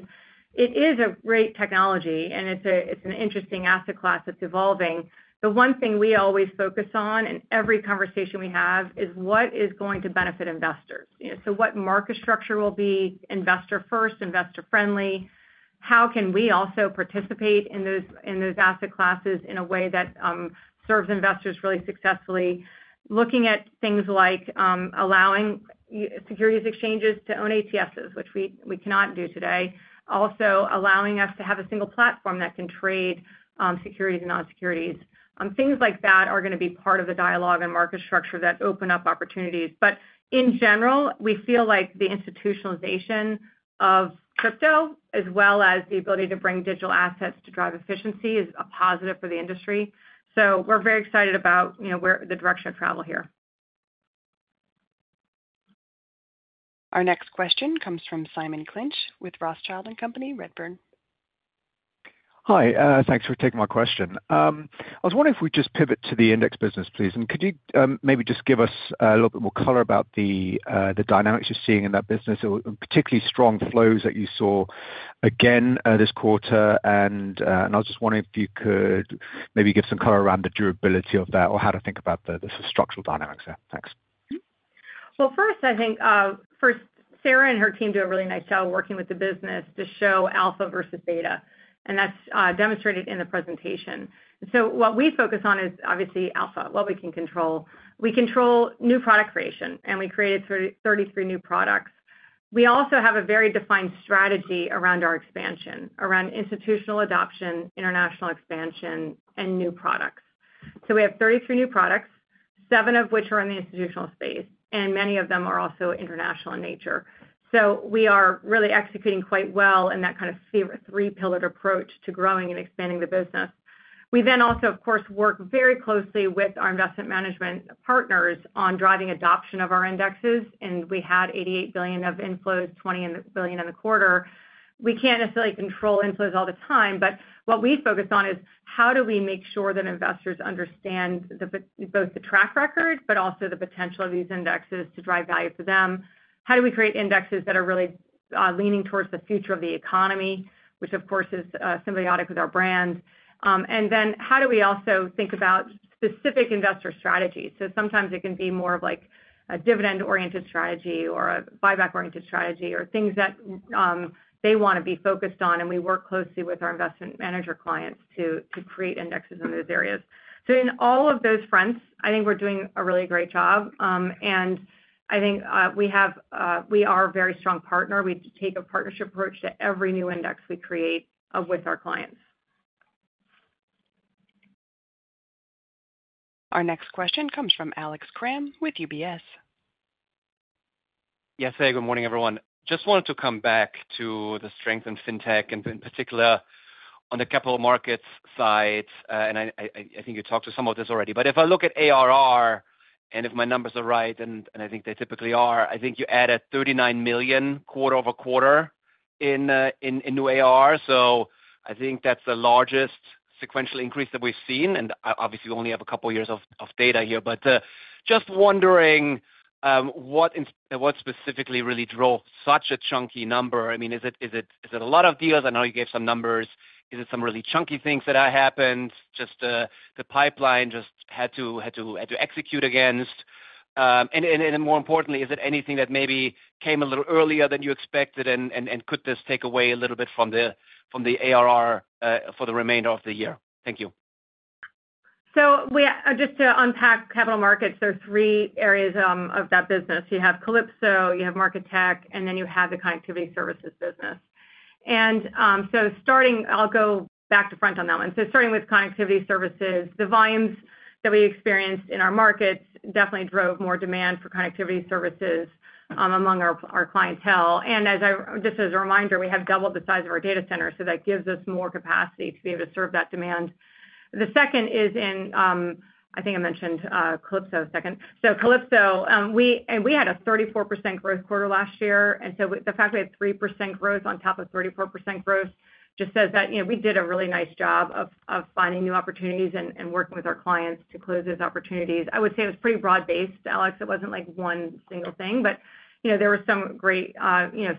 it is a great technology, and it's an interesting asset class that's evolving. The one thing we always focus on in every conversation we have is what is going to benefit investors. What market structure will be investor-first, investor-friendly? How can we also participate in those asset classes in a way that serves investors really successfully? Looking at things like allowing securities exchanges to own ATSs, which we cannot do today, also allowing us to have a single platform that can trade securities and non-securities. Things like that are going to be part of the dialogue and market structure that open up opportunities. In general, we feel like the institutionalization of crypto, as well as the ability to bring Digital Assets to drive efficiency, is a positive for the industry. We're very excited about the direction of travel here. Our next question comes from Simon Clinch with Rothschild and Company, Redburn. Hi. Thanks for taking my question. I was wondering if we just pivot to the index business, please. Could you maybe just give us a little bit more color about the dynamics you're seeing in that business, particularly strong flows that you saw again this quarter? I was just wondering if you could maybe give some color around the durability of that or how to think about the structural dynamics there. Thanks. First, I think Sarah and her team do a really nice job working with the business to show alpha versus beta. That's demonstrated in the presentation. What we focus on is obviously alpha, what we can control. We control new product creation, and we created 33 new products. We also have a very defined strategy around our expansion, around institutional adoption, international expansion, and new products. We have 33 new products, seven of which are in the institutional space, and many of them are also international in nature. We are really executing quite well in that kind of three-pillared approach to growing and expanding the business. We then also, of course, work very closely with our investment management partners on driving adoption of our indexes. We had $88 billion of inflows, $20 billion in the quarter. We cannot necessarily control inflows all the time, but what we focus on is how do we make sure that investors understand both the track record, but also the potential of these indexes to drive value for them? How do we create indexes that are really leaning towards the future of the economy, which, of course, is symbiotic with our brand? How do we also think about specific investor strategies? Sometimes it can be more of a dividend-oriented strategy or a buyback-oriented strategy or things that they want to be focused on. We work closely with our investment manager clients to create indexes in those areas. In all of those fronts, I think we are doing a really great job. I think we are a very strong partner. We take a partnership approach to every new index we create with our clients. Our next question comes from Alex Kramm with UBS. Yes, hey, good morning, everyone. Just wanted to come back to the strength in fintech and in particular on the capital markets side. I think you talked to some of this already. If I look at ARR, and if my numbers are right, and I think they typically are, I think you added $39 million quarter over quarter in new ARR. I think that is the largest sequential increase that we have seen. Obviously, we only have a couple of years of data here. Just wondering, what specifically really drove such a chunky number? I mean, is it a lot of deals? I know you gave some numbers. Is it some really chunky things that happened? Just the pipeline just had to execute against? More importantly, is it anything that maybe came a little earlier than you expected and could this take away a little bit from the ARR for the remainder of the year? Thank you. Just to unpack capital markets, there are three areas of that business. You have Calypso, you have market tech, and then you have the connectivity services business. Starting, I will go back to front on that one. Starting with connectivity services, the volumes that we experienced in our markets definitely drove more demand for connectivity services among our clientele. Just as a reminder, we have doubled the size of our data center, so that gives us more capacity to be able to serve that demand. The second is in, I think I mentioned Calypso a second. Calypso, we had 34% growth quarter last year. The fact we had 3% growth on top of 34% growth just says that we did a really nice job of finding new opportunities and working with our clients to close those opportunities. I would say it was pretty broad-based, Alex. It was not like one single thing. There were some great,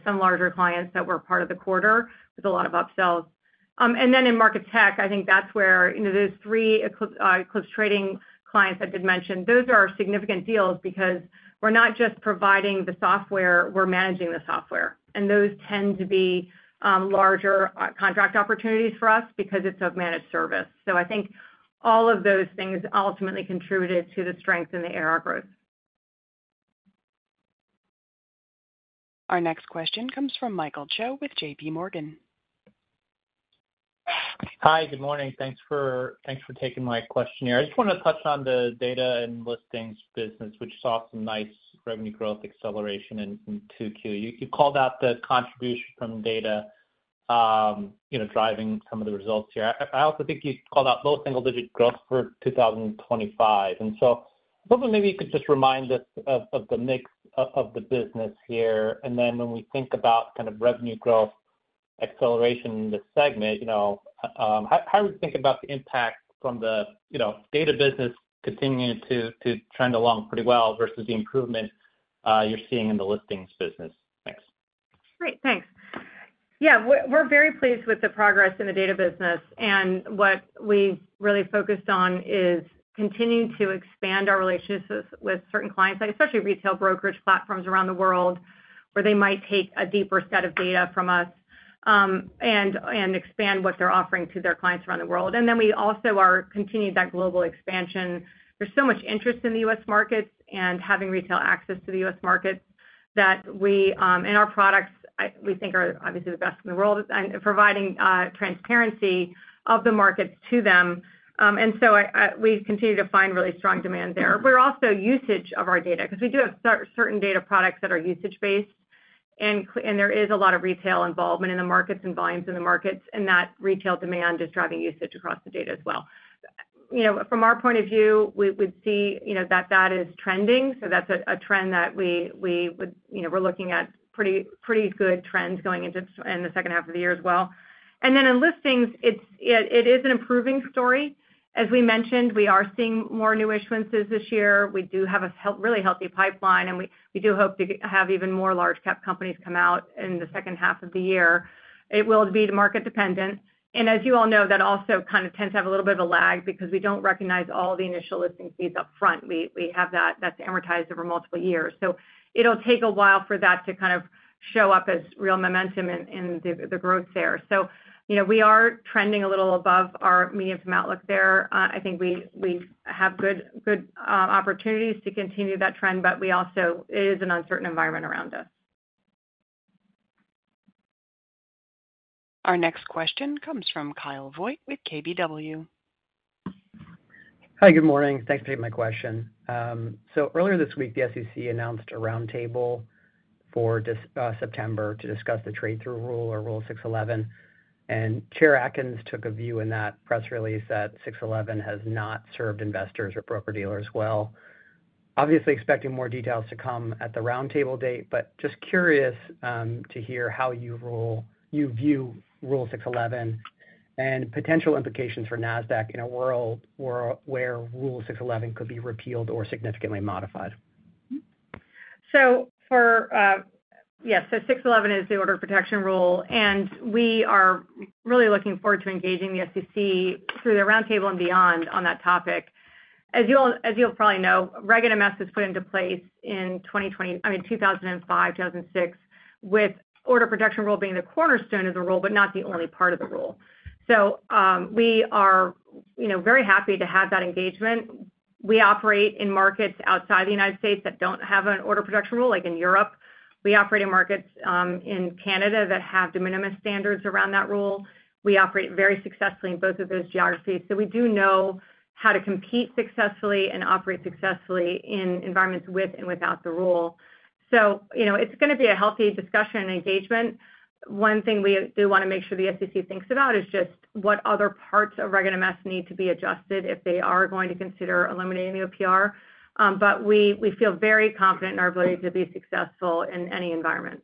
some larger clients that were part of the quarter with a lot of upsells. In market tech, I think that is where those three closed trading clients I did mention, those are significant deals because we are not just providing the software, we are managing the software. Those tend to be larger contract opportunities for us because it is a managed service. I think all of those things ultimately contributed to the strength in the ARR growth. Our next question comes from Michael Cho with JPMorgan. Hi, good morning. Thanks for taking my question here. I just wanted to touch on the data and listings business, which saw some nice revenue growth acceleration in Q2. You called out the contribution from data driving some of the results here. I also think you called out low single-digit growth for 2025. I thought maybe you could just remind us of the mix of the business here. When we think about kind of revenue growth acceleration in this segment, how do we think about the impact from the data business continuing to trend along pretty well versus the improvement you are seeing in the listings business? Thanks. Great, thanks. Yeah, we are very pleased with the progress in the data business. What we have really focused on is continuing to expand our relationships with certain clients, especially retail brokerage platforms around the world, where they might take a deeper set of data from us and expand what they are offering to their clients around the world. We also are continuing that global expansion. There is so much interest in the U.S. markets and having retail access to the U.S. markets that we, in our products, we think are obviously the best in the world, and providing transparency of the markets to them. We continue to find really strong demand there. We are also usage of our data because we do have certain data products that are usage-based. There is a lot of retail involvement in the markets and volumes in the markets, and that retail demand is driving usage across the data as well. From our point of view, we would see that that is trending. That is a trend that we would be looking at, pretty good trends going into the second half of the year as well. In listings, it is an improving story. As we mentioned, we are seeing more new issuances this year. We do have a really healthy pipeline, and we do hope to have even more large-cap companies come out in the second half of the year. It will be market-dependent. As you all know, that also kind of tends to have a little bit of a lag because we do not recognize all the initial listing fees upfront. We have that amortized over multiple years. It will take a while for that to kind of show up as real momentum in the growth there. We are trending a little above our medium-term outlook there. I think we have good opportunities to continue that trend, but it is an uncertain environment around us. Our next question comes from Kyle Voigt with KBW. Hi, good morning. Thanks for taking my question. Earlier this week, the SEC announced a roundtable for September to discuss the trade-through rule, or Rule 611. Chair Atkins took a view in that press release that 611 has not served investors or broker-dealers well. Obviously, expecting more details to come at the roundtable date, but just curious to hear how you view Rule 611 and potential implications for Nasdaq in a world where Rule 611 could be repealed or significantly modified. Yes, 611 is the Order Protection Rule. We are really looking forward to engaging the SEC through the roundtable and beyond on that topic. As you will probably know, Regulation NMS was put into place in 2005, 2006, with the Order Protection Rule being the cornerstone of the rule, but not the only part of the rule. We are very happy to have that engagement. We operate in markets outside the U.S. that do not have an Order Protection Rule, like in Europe. We operate in markets in Canada that have de minimis standards around that rule. We operate very successfully in both of those geographies. We do know how to compete successfully and operate successfully in environments with and without the rule. It is going to be a healthy discussion and engagement. One thing we do want to make sure the SEC thinks about is just what other parts of Regulation NMS need to be adjusted if they are going to consider eliminating the OPR. We feel very confident in our ability to be successful in any environment.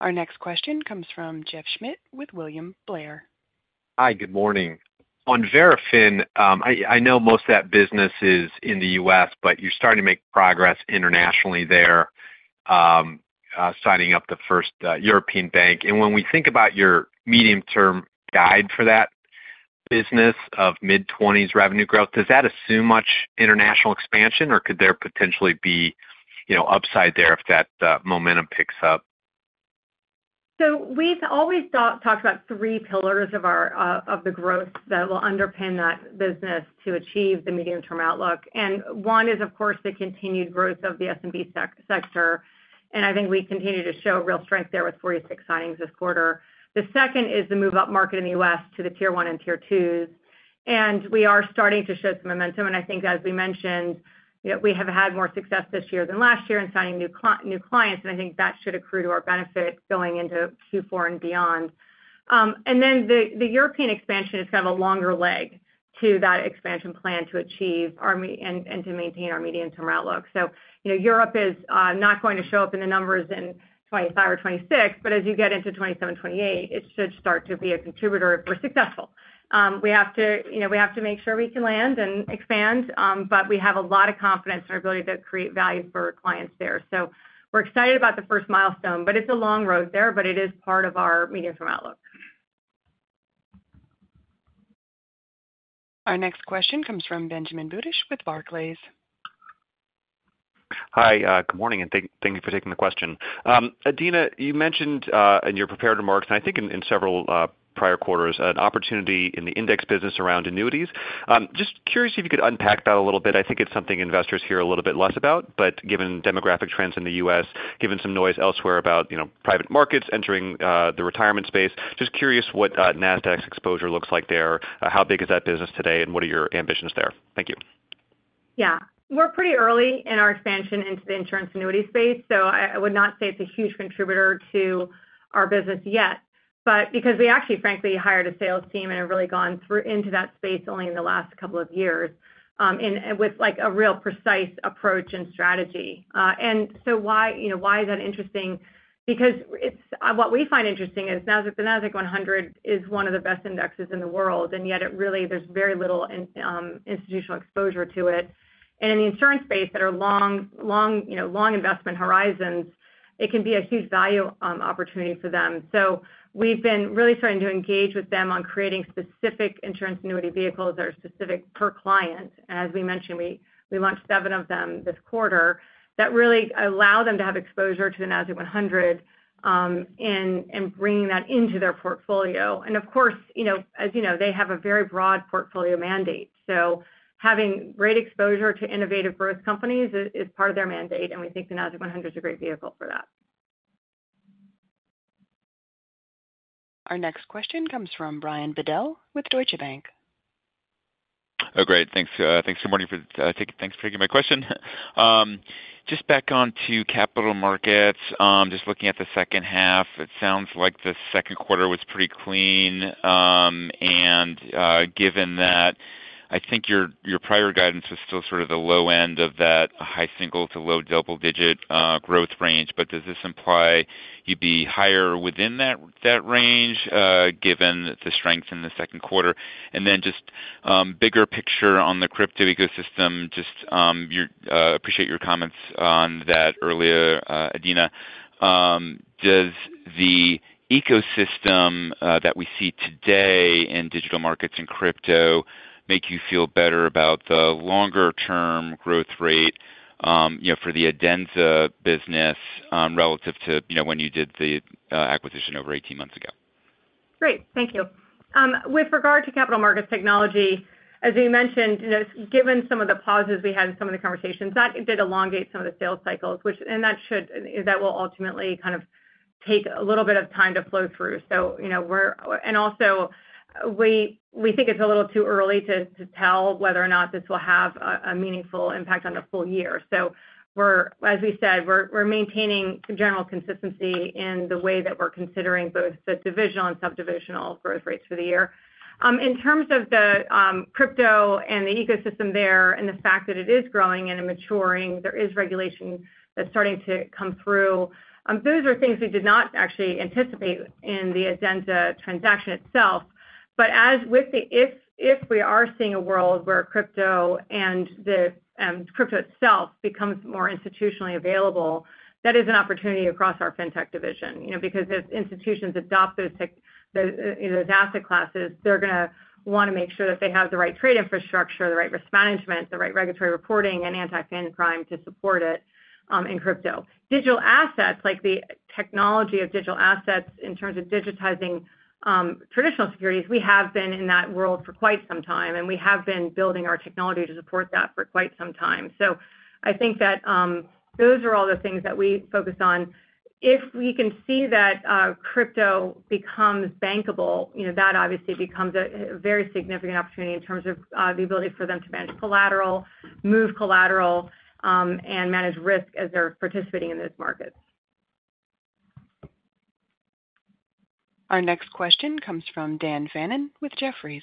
Our next question comes from Jeff Schmitt with William Blair. Hi, good morning. On Verafin, I know most of that business is in the U.S., but you are starting to make progress internationally there, signing up the first European bank. When we think about your medium-term guide for that business of mid-20s revenue growth, does that assume much international expansion, or could there potentially be upside there if that momentum picks up? We have always talked about three pillars of the growth that will underpin that business to achieve the medium-term outlook. One is, of course, the continued growth of the SMB sector. I think we continue to show real strength there with 46 signings this quarter. The second is the move-up market in the U.S. to the tier one and tier twos. We are starting to show some momentum. I think, as we mentioned, we have had more success this year than last year in signing new clients. I think that should accrue to our benefit going into Q4 and beyond. The European expansion is kind of a longer leg to that expansion plan to achieve and to maintain our medium-term outlook. Europe is not going to show up in the numbers in 2025 or 2026, but as you get into 2027, 2028, it should start to be a contributor if we are successful. We have to make sure we can land and expand, but we have a lot of confidence in our ability to create value for our clients there. We are excited about the first milestone, but it is a long road there, but it is part of our medium-term outlook. Our next question comes from Benjamin Budish with Barclays. Hi, good morning, and thank you for taking the question. Adena, you mentioned in your prepared remarks, and I think in several prior quarters, an opportunity in the index business around annuities. Just curious if you could unpack that a little bit. I think it is something investors hear a little bit less about, but given demographic trends in the U.S., given some noise elsewhere about private markets entering the retirement space, just curious what Nasdaq's exposure looks like there, how big is that business today, and what are your ambitions there? Thank you. Yeah. We are pretty early in our expansion into the insurance annuity space, so I would not say it is a huge contributor to our business yet. Because we actually, frankly, hired a sales team and have really gone into that space only in the last couple of years with a real precise approach and strategy. Why is that interesting? What we find interesting is the Nasdaq 100 is one of the best indexes in the world, and yet there is very little institutional exposure to it. In the insurance space, that are long investment horizons, it can be a huge value opportunity for them. We have been really starting to engage with them on creating specific insurance annuity vehicles that are specific per client. As we mentioned, we launched seven of them this quarter that really allow them to have exposure to the Nasdaq 100 and bringing that into their portfolio. Of course, as you know, they have a very broad portfolio mandate. So having great exposure to innovative growth companies is part of their mandate, and we think the Nasdaq 100 is a great vehicle for that. Our next question comes from Brian Bedell with Deutsche Bank. Oh, great. Thanks for taking my question. Just back on to capital markets, just looking at the second half, it sounds like the second quarter was pretty clean. And given that I think your prior guidance was still sort of the low end of that high single to low double-digit growth range, but does this imply you'd be higher within that range given the strength in the second quarter? And then just bigger picture on the crypto ecosystem, just appreciate your comments on that earlier, Adena. Does the ecosystem that we see today in digital markets and crypto make you feel better about the longer-term growth rate for the Adenza business relative to when you did the acquisition over 18 months ago? Great. Thank you. With regard to capital markets technology, as we mentioned, given some of the pauses we had in some of the conversations, that did elongate some of the sales cycles, and that will ultimately kind of take a little bit of time to flow through. Also, we think it's a little too early to tell whether or not this will have a meaningful impact on the full year. As we said, we're maintaining general consistency in the way that we're considering both the divisional and subdivisional growth rates for the year. In terms of the crypto and the ecosystem there and the fact that it is growing and maturing, there is regulation that's starting to come through. Those are things we did not actually anticipate in the Adenza transaction itself. If we are seeing a world where crypto and the crypto itself becomes more institutionally available, that is an opportunity across our fintech division. Because if institutions adopt those asset classes, they're going to want to make sure that they have the right trade infrastructure, the right risk management, the right regulatory reporting, and anti-fin crime to support it in crypto. Digital Assets, like the technology of Digital Assets in terms of digitizing traditional securities, we have been in that world for quite some time, and we have been building our technology to support that for quite some time. I think that those are all the things that we focus on. If we can see that crypto becomes bankable, that obviously becomes a very significant opportunity in terms of the ability for them to manage collateral, move collateral, and manage risk as they're participating in those markets. Our next question comes from Dan Fannon with Jefferies.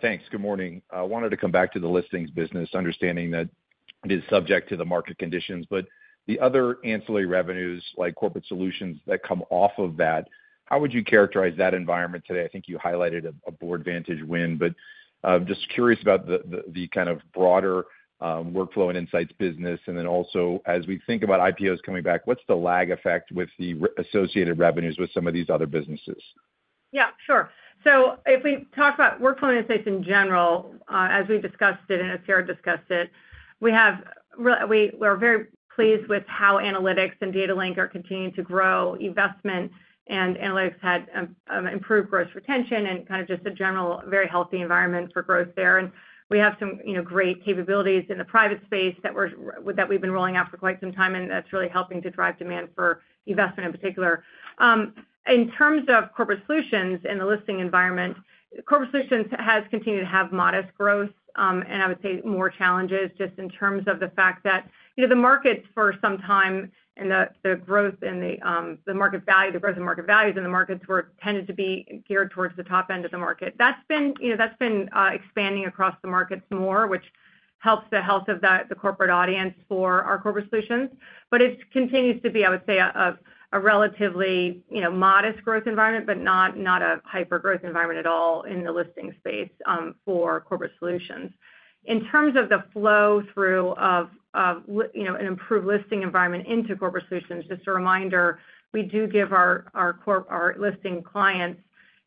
Thanks. Good morning. I wanted to come back to the listings business, understanding that it is subject to the market conditions. The other ancillary revenues, like corporate solutions that come off of that, how would you characterize that environment today? I think you highlighted a Boardvantage win, but just curious about the kind of broader workflow and insights business. And then also, as we think about IPOs coming back, what's the lag effect with the associated revenues with some of these other businesses? Yeah, sure. So if we talk about workflow and insights in general, as we discussed it and as Sarah discussed it, we are very pleased with how analytics and Data Link are continuing to grow. Investment and analytics had improved growth retention and kind of just a general, very healthy environment for growth there. And we have some great capabilities in the private space that we've been rolling out for quite some time, and that's really helping to drive demand for investment in particular. In terms of corporate solutions and the listing environment, corporate solutions have continued to have modest growth, and I would say more challenges just in terms of the fact that the markets for some time and the growth in the market value, the growth in market values in the markets tended to be geared towards the top end of the market. That's been expanding across the markets more, which helps the health of the corporate audience for our corporate solutions. But it continues to be, I would say, a relatively modest growth environment, but not a hyper-growth environment at all in the listing space for corporate solutions. In terms of the flow through of an improved listing environment into corporate solutions, just a reminder, we do give our listing clients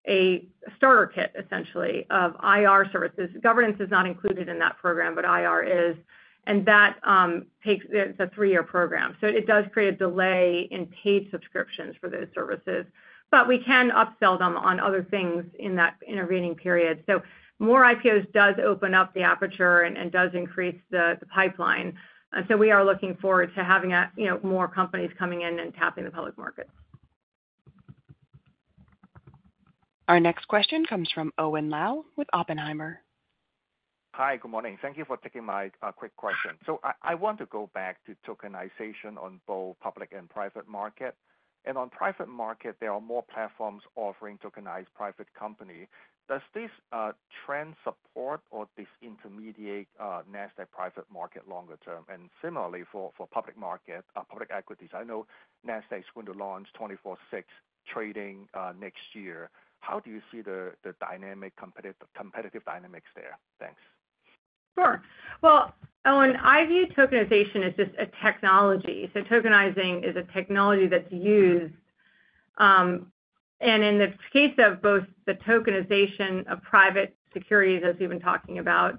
a starter kit, essentially, of IR services. Governance is not included in that program, but IR is. And that takes a three-year program. It does create a delay in paid subscriptions for those services. But we can upsell them on other things in that intervening period. More IPOs does open up the aperture and does increase the pipeline. We are looking forward to having more companies coming in and tapping the public markets. Our next question comes from Owen Lau with Oppenheimer. Hi, good morning. Thank you for taking my quick question. I want to go back to tokenization on both public and private market. And on private market, there are more platforms offering tokenized private companies. Does this trend support or disintermediate Nasdaq Private Market longer term? And similarly for public market, public equities? I know Nasdaq is going to launch 24/6 trading next year. How do you see the dynamic competitive dynamics there? Thanks. Sure. Owen, I view Tokenization as just a technology. Tokenizing is a technology that's used. In the case of both the Tokenization of private securities, as we've been talking about,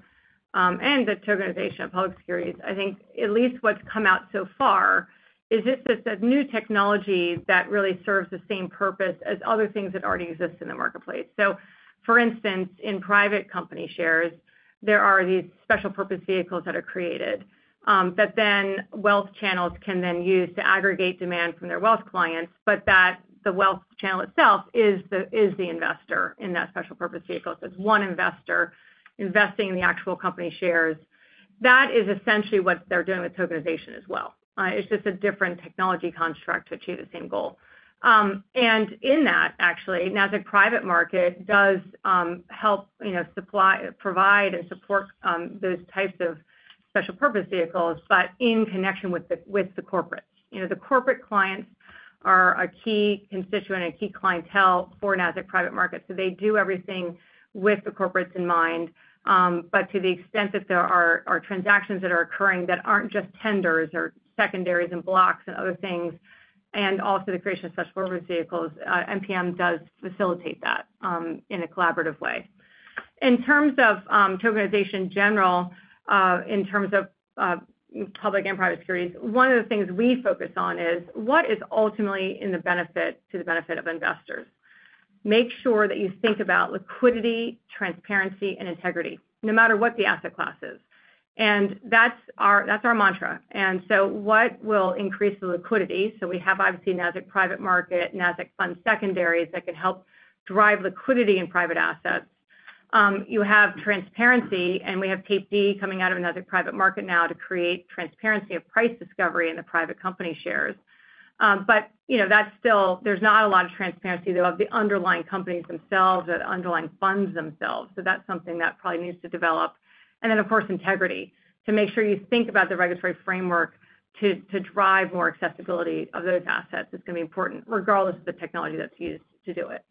and the Tokenization of public securities, I think at least what's come out so far is just a new technology that really serves the same purpose as other things that already exist in the marketplace. For instance, in private company shares, there are these special purpose vehicles that are created that then wealth channels can then use to aggregate demand from their wealth clients, but the wealth channel itself is the investor in that special purpose vehicle. It is one investor investing in the actual company shares. That is essentially what they are doing with Tokenization as well. It is just a different technology construct to achieve the same goal. In that, actually, Nasdaq Private Market does help provide and support those types of special purpose vehicles, but in connection with the corporates. The corporate clients are a key constituent and key clientele for Nasdaq Private Market. They do everything with the corporates in mind. To the extent that there are transactions that are occurring that are not just tenders or secondaries and blocks and other things, and also the creation of special purpose vehicles, NPM does facilitate that in a collaborative way. In terms of Tokenization in general, in terms of public and private securities, one of the things we focus on is what is ultimately to the benefit of investors. Make sure that you think about liquidity, transparency, and integrity, no matter what the asset class is. That is our mantra. What will increase the liquidity? We have obviously Nasdaq Private Market, Nasdaq fund secondaries that can help drive liquidity in private assets. You have transparency, and we have Tape D coming out of Nasdaq Private Market now to create transparency of price discovery in the private company shares. There is not a lot of transparency, though, of the underlying companies themselves or the underlying funds themselves. That is something that probably needs to develop. Then, of course, integrity. To make sure you think about the regulatory framework to drive more accessibility of those assets is going to be important, regardless of the technology that is used to do it.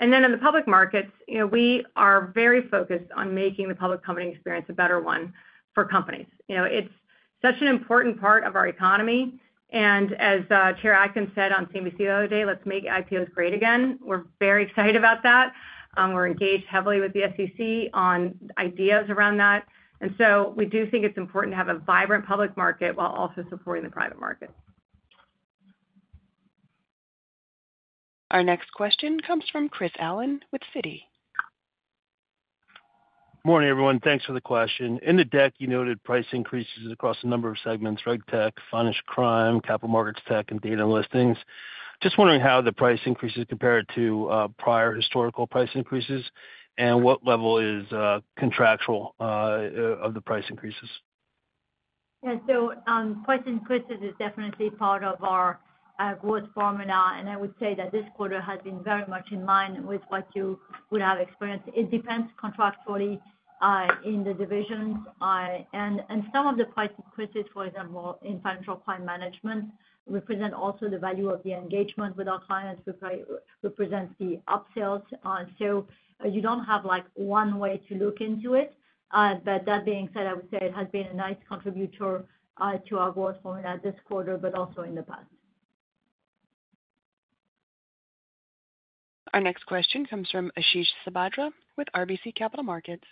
In the public markets, we are very focused on making the public company experience a better one for companies. It is such an important part of our economy. As Chair Atkins said on CNBC the other day, "Let's make IPOs great again." We are very excited about that. We are engaged heavily with the SEC on ideas around that. We do think it is important to have a vibrant public market while also supporting the private market. Our next question comes from Chris Allen with Citi. Morning, everyone. Thanks for the question. In the deck, you noted price increases across a number of segments: reg tech, finance, crime, capital markets tech, and data and listings. Just wondering how the price increases compare to prior historical price increases, and what level is contractual of the price increases. Yeah. Price increases are definitely part of our growth formula. I would say that this quarter has been very much in line with what you would have experienced. It depends contractually in the divisions. Some of the price increases, for example, in financial crime management, represent also the value of the engagement with our clients. Represents the upsells. You do not have one way to look into it. That being said, I would say it has been a nice contributor to our growth formula this quarter, but also in the past. Our next question comes from Ashish Sabadra with RBC Capital Markets.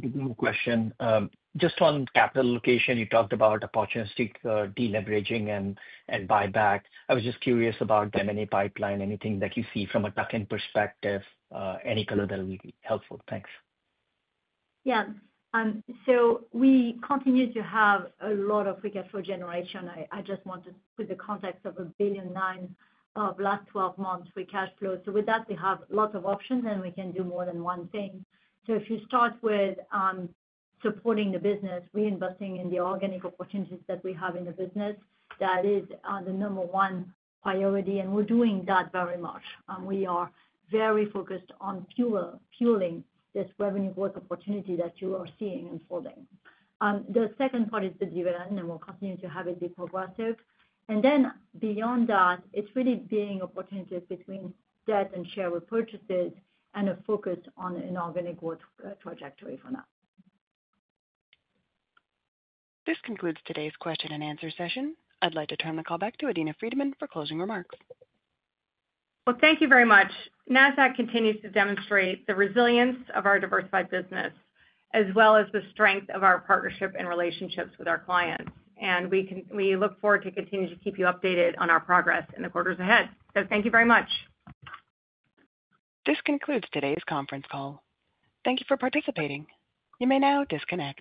Good morning, question. Just on capital allocation, you talked about opportunistic deleveraging and buyback. I was just curious about M&A Pipeline, anything that you see from a ducking perspective, any color that will be helpful. Thanks. Yeah. We continue to have a lot of free cash flow generation. I just want to put the context of $1.9 billion of last 12 months free cash flow. With that, we have lots of options, and we can do more than one thing. If you start with supporting the business, reinvesting in the organic opportunities that we have in the business, that is the number one priority. We are doing that very much. We are very focused on fueling this revenue growth opportunity that you are seeing unfolding. The second part is the development, and we will continue to have it be progressive. Beyond that, it is really being opportunities between debt and share repurchases and a focus on an organic growth trajectory for now. This concludes today's question and answer session. I would like to turn the call back to Adena Friedman for closing remarks. Thank you very much. Nasdaq continues to demonstrate the resilience of our diversified business, as well as the strength of our partnership and relationships with our clients. We look forward to continuing to keep you updated on our progress in the quarters ahead. Thank you very much. This concludes today's conference call. Thank you for participating. You may now disconnect.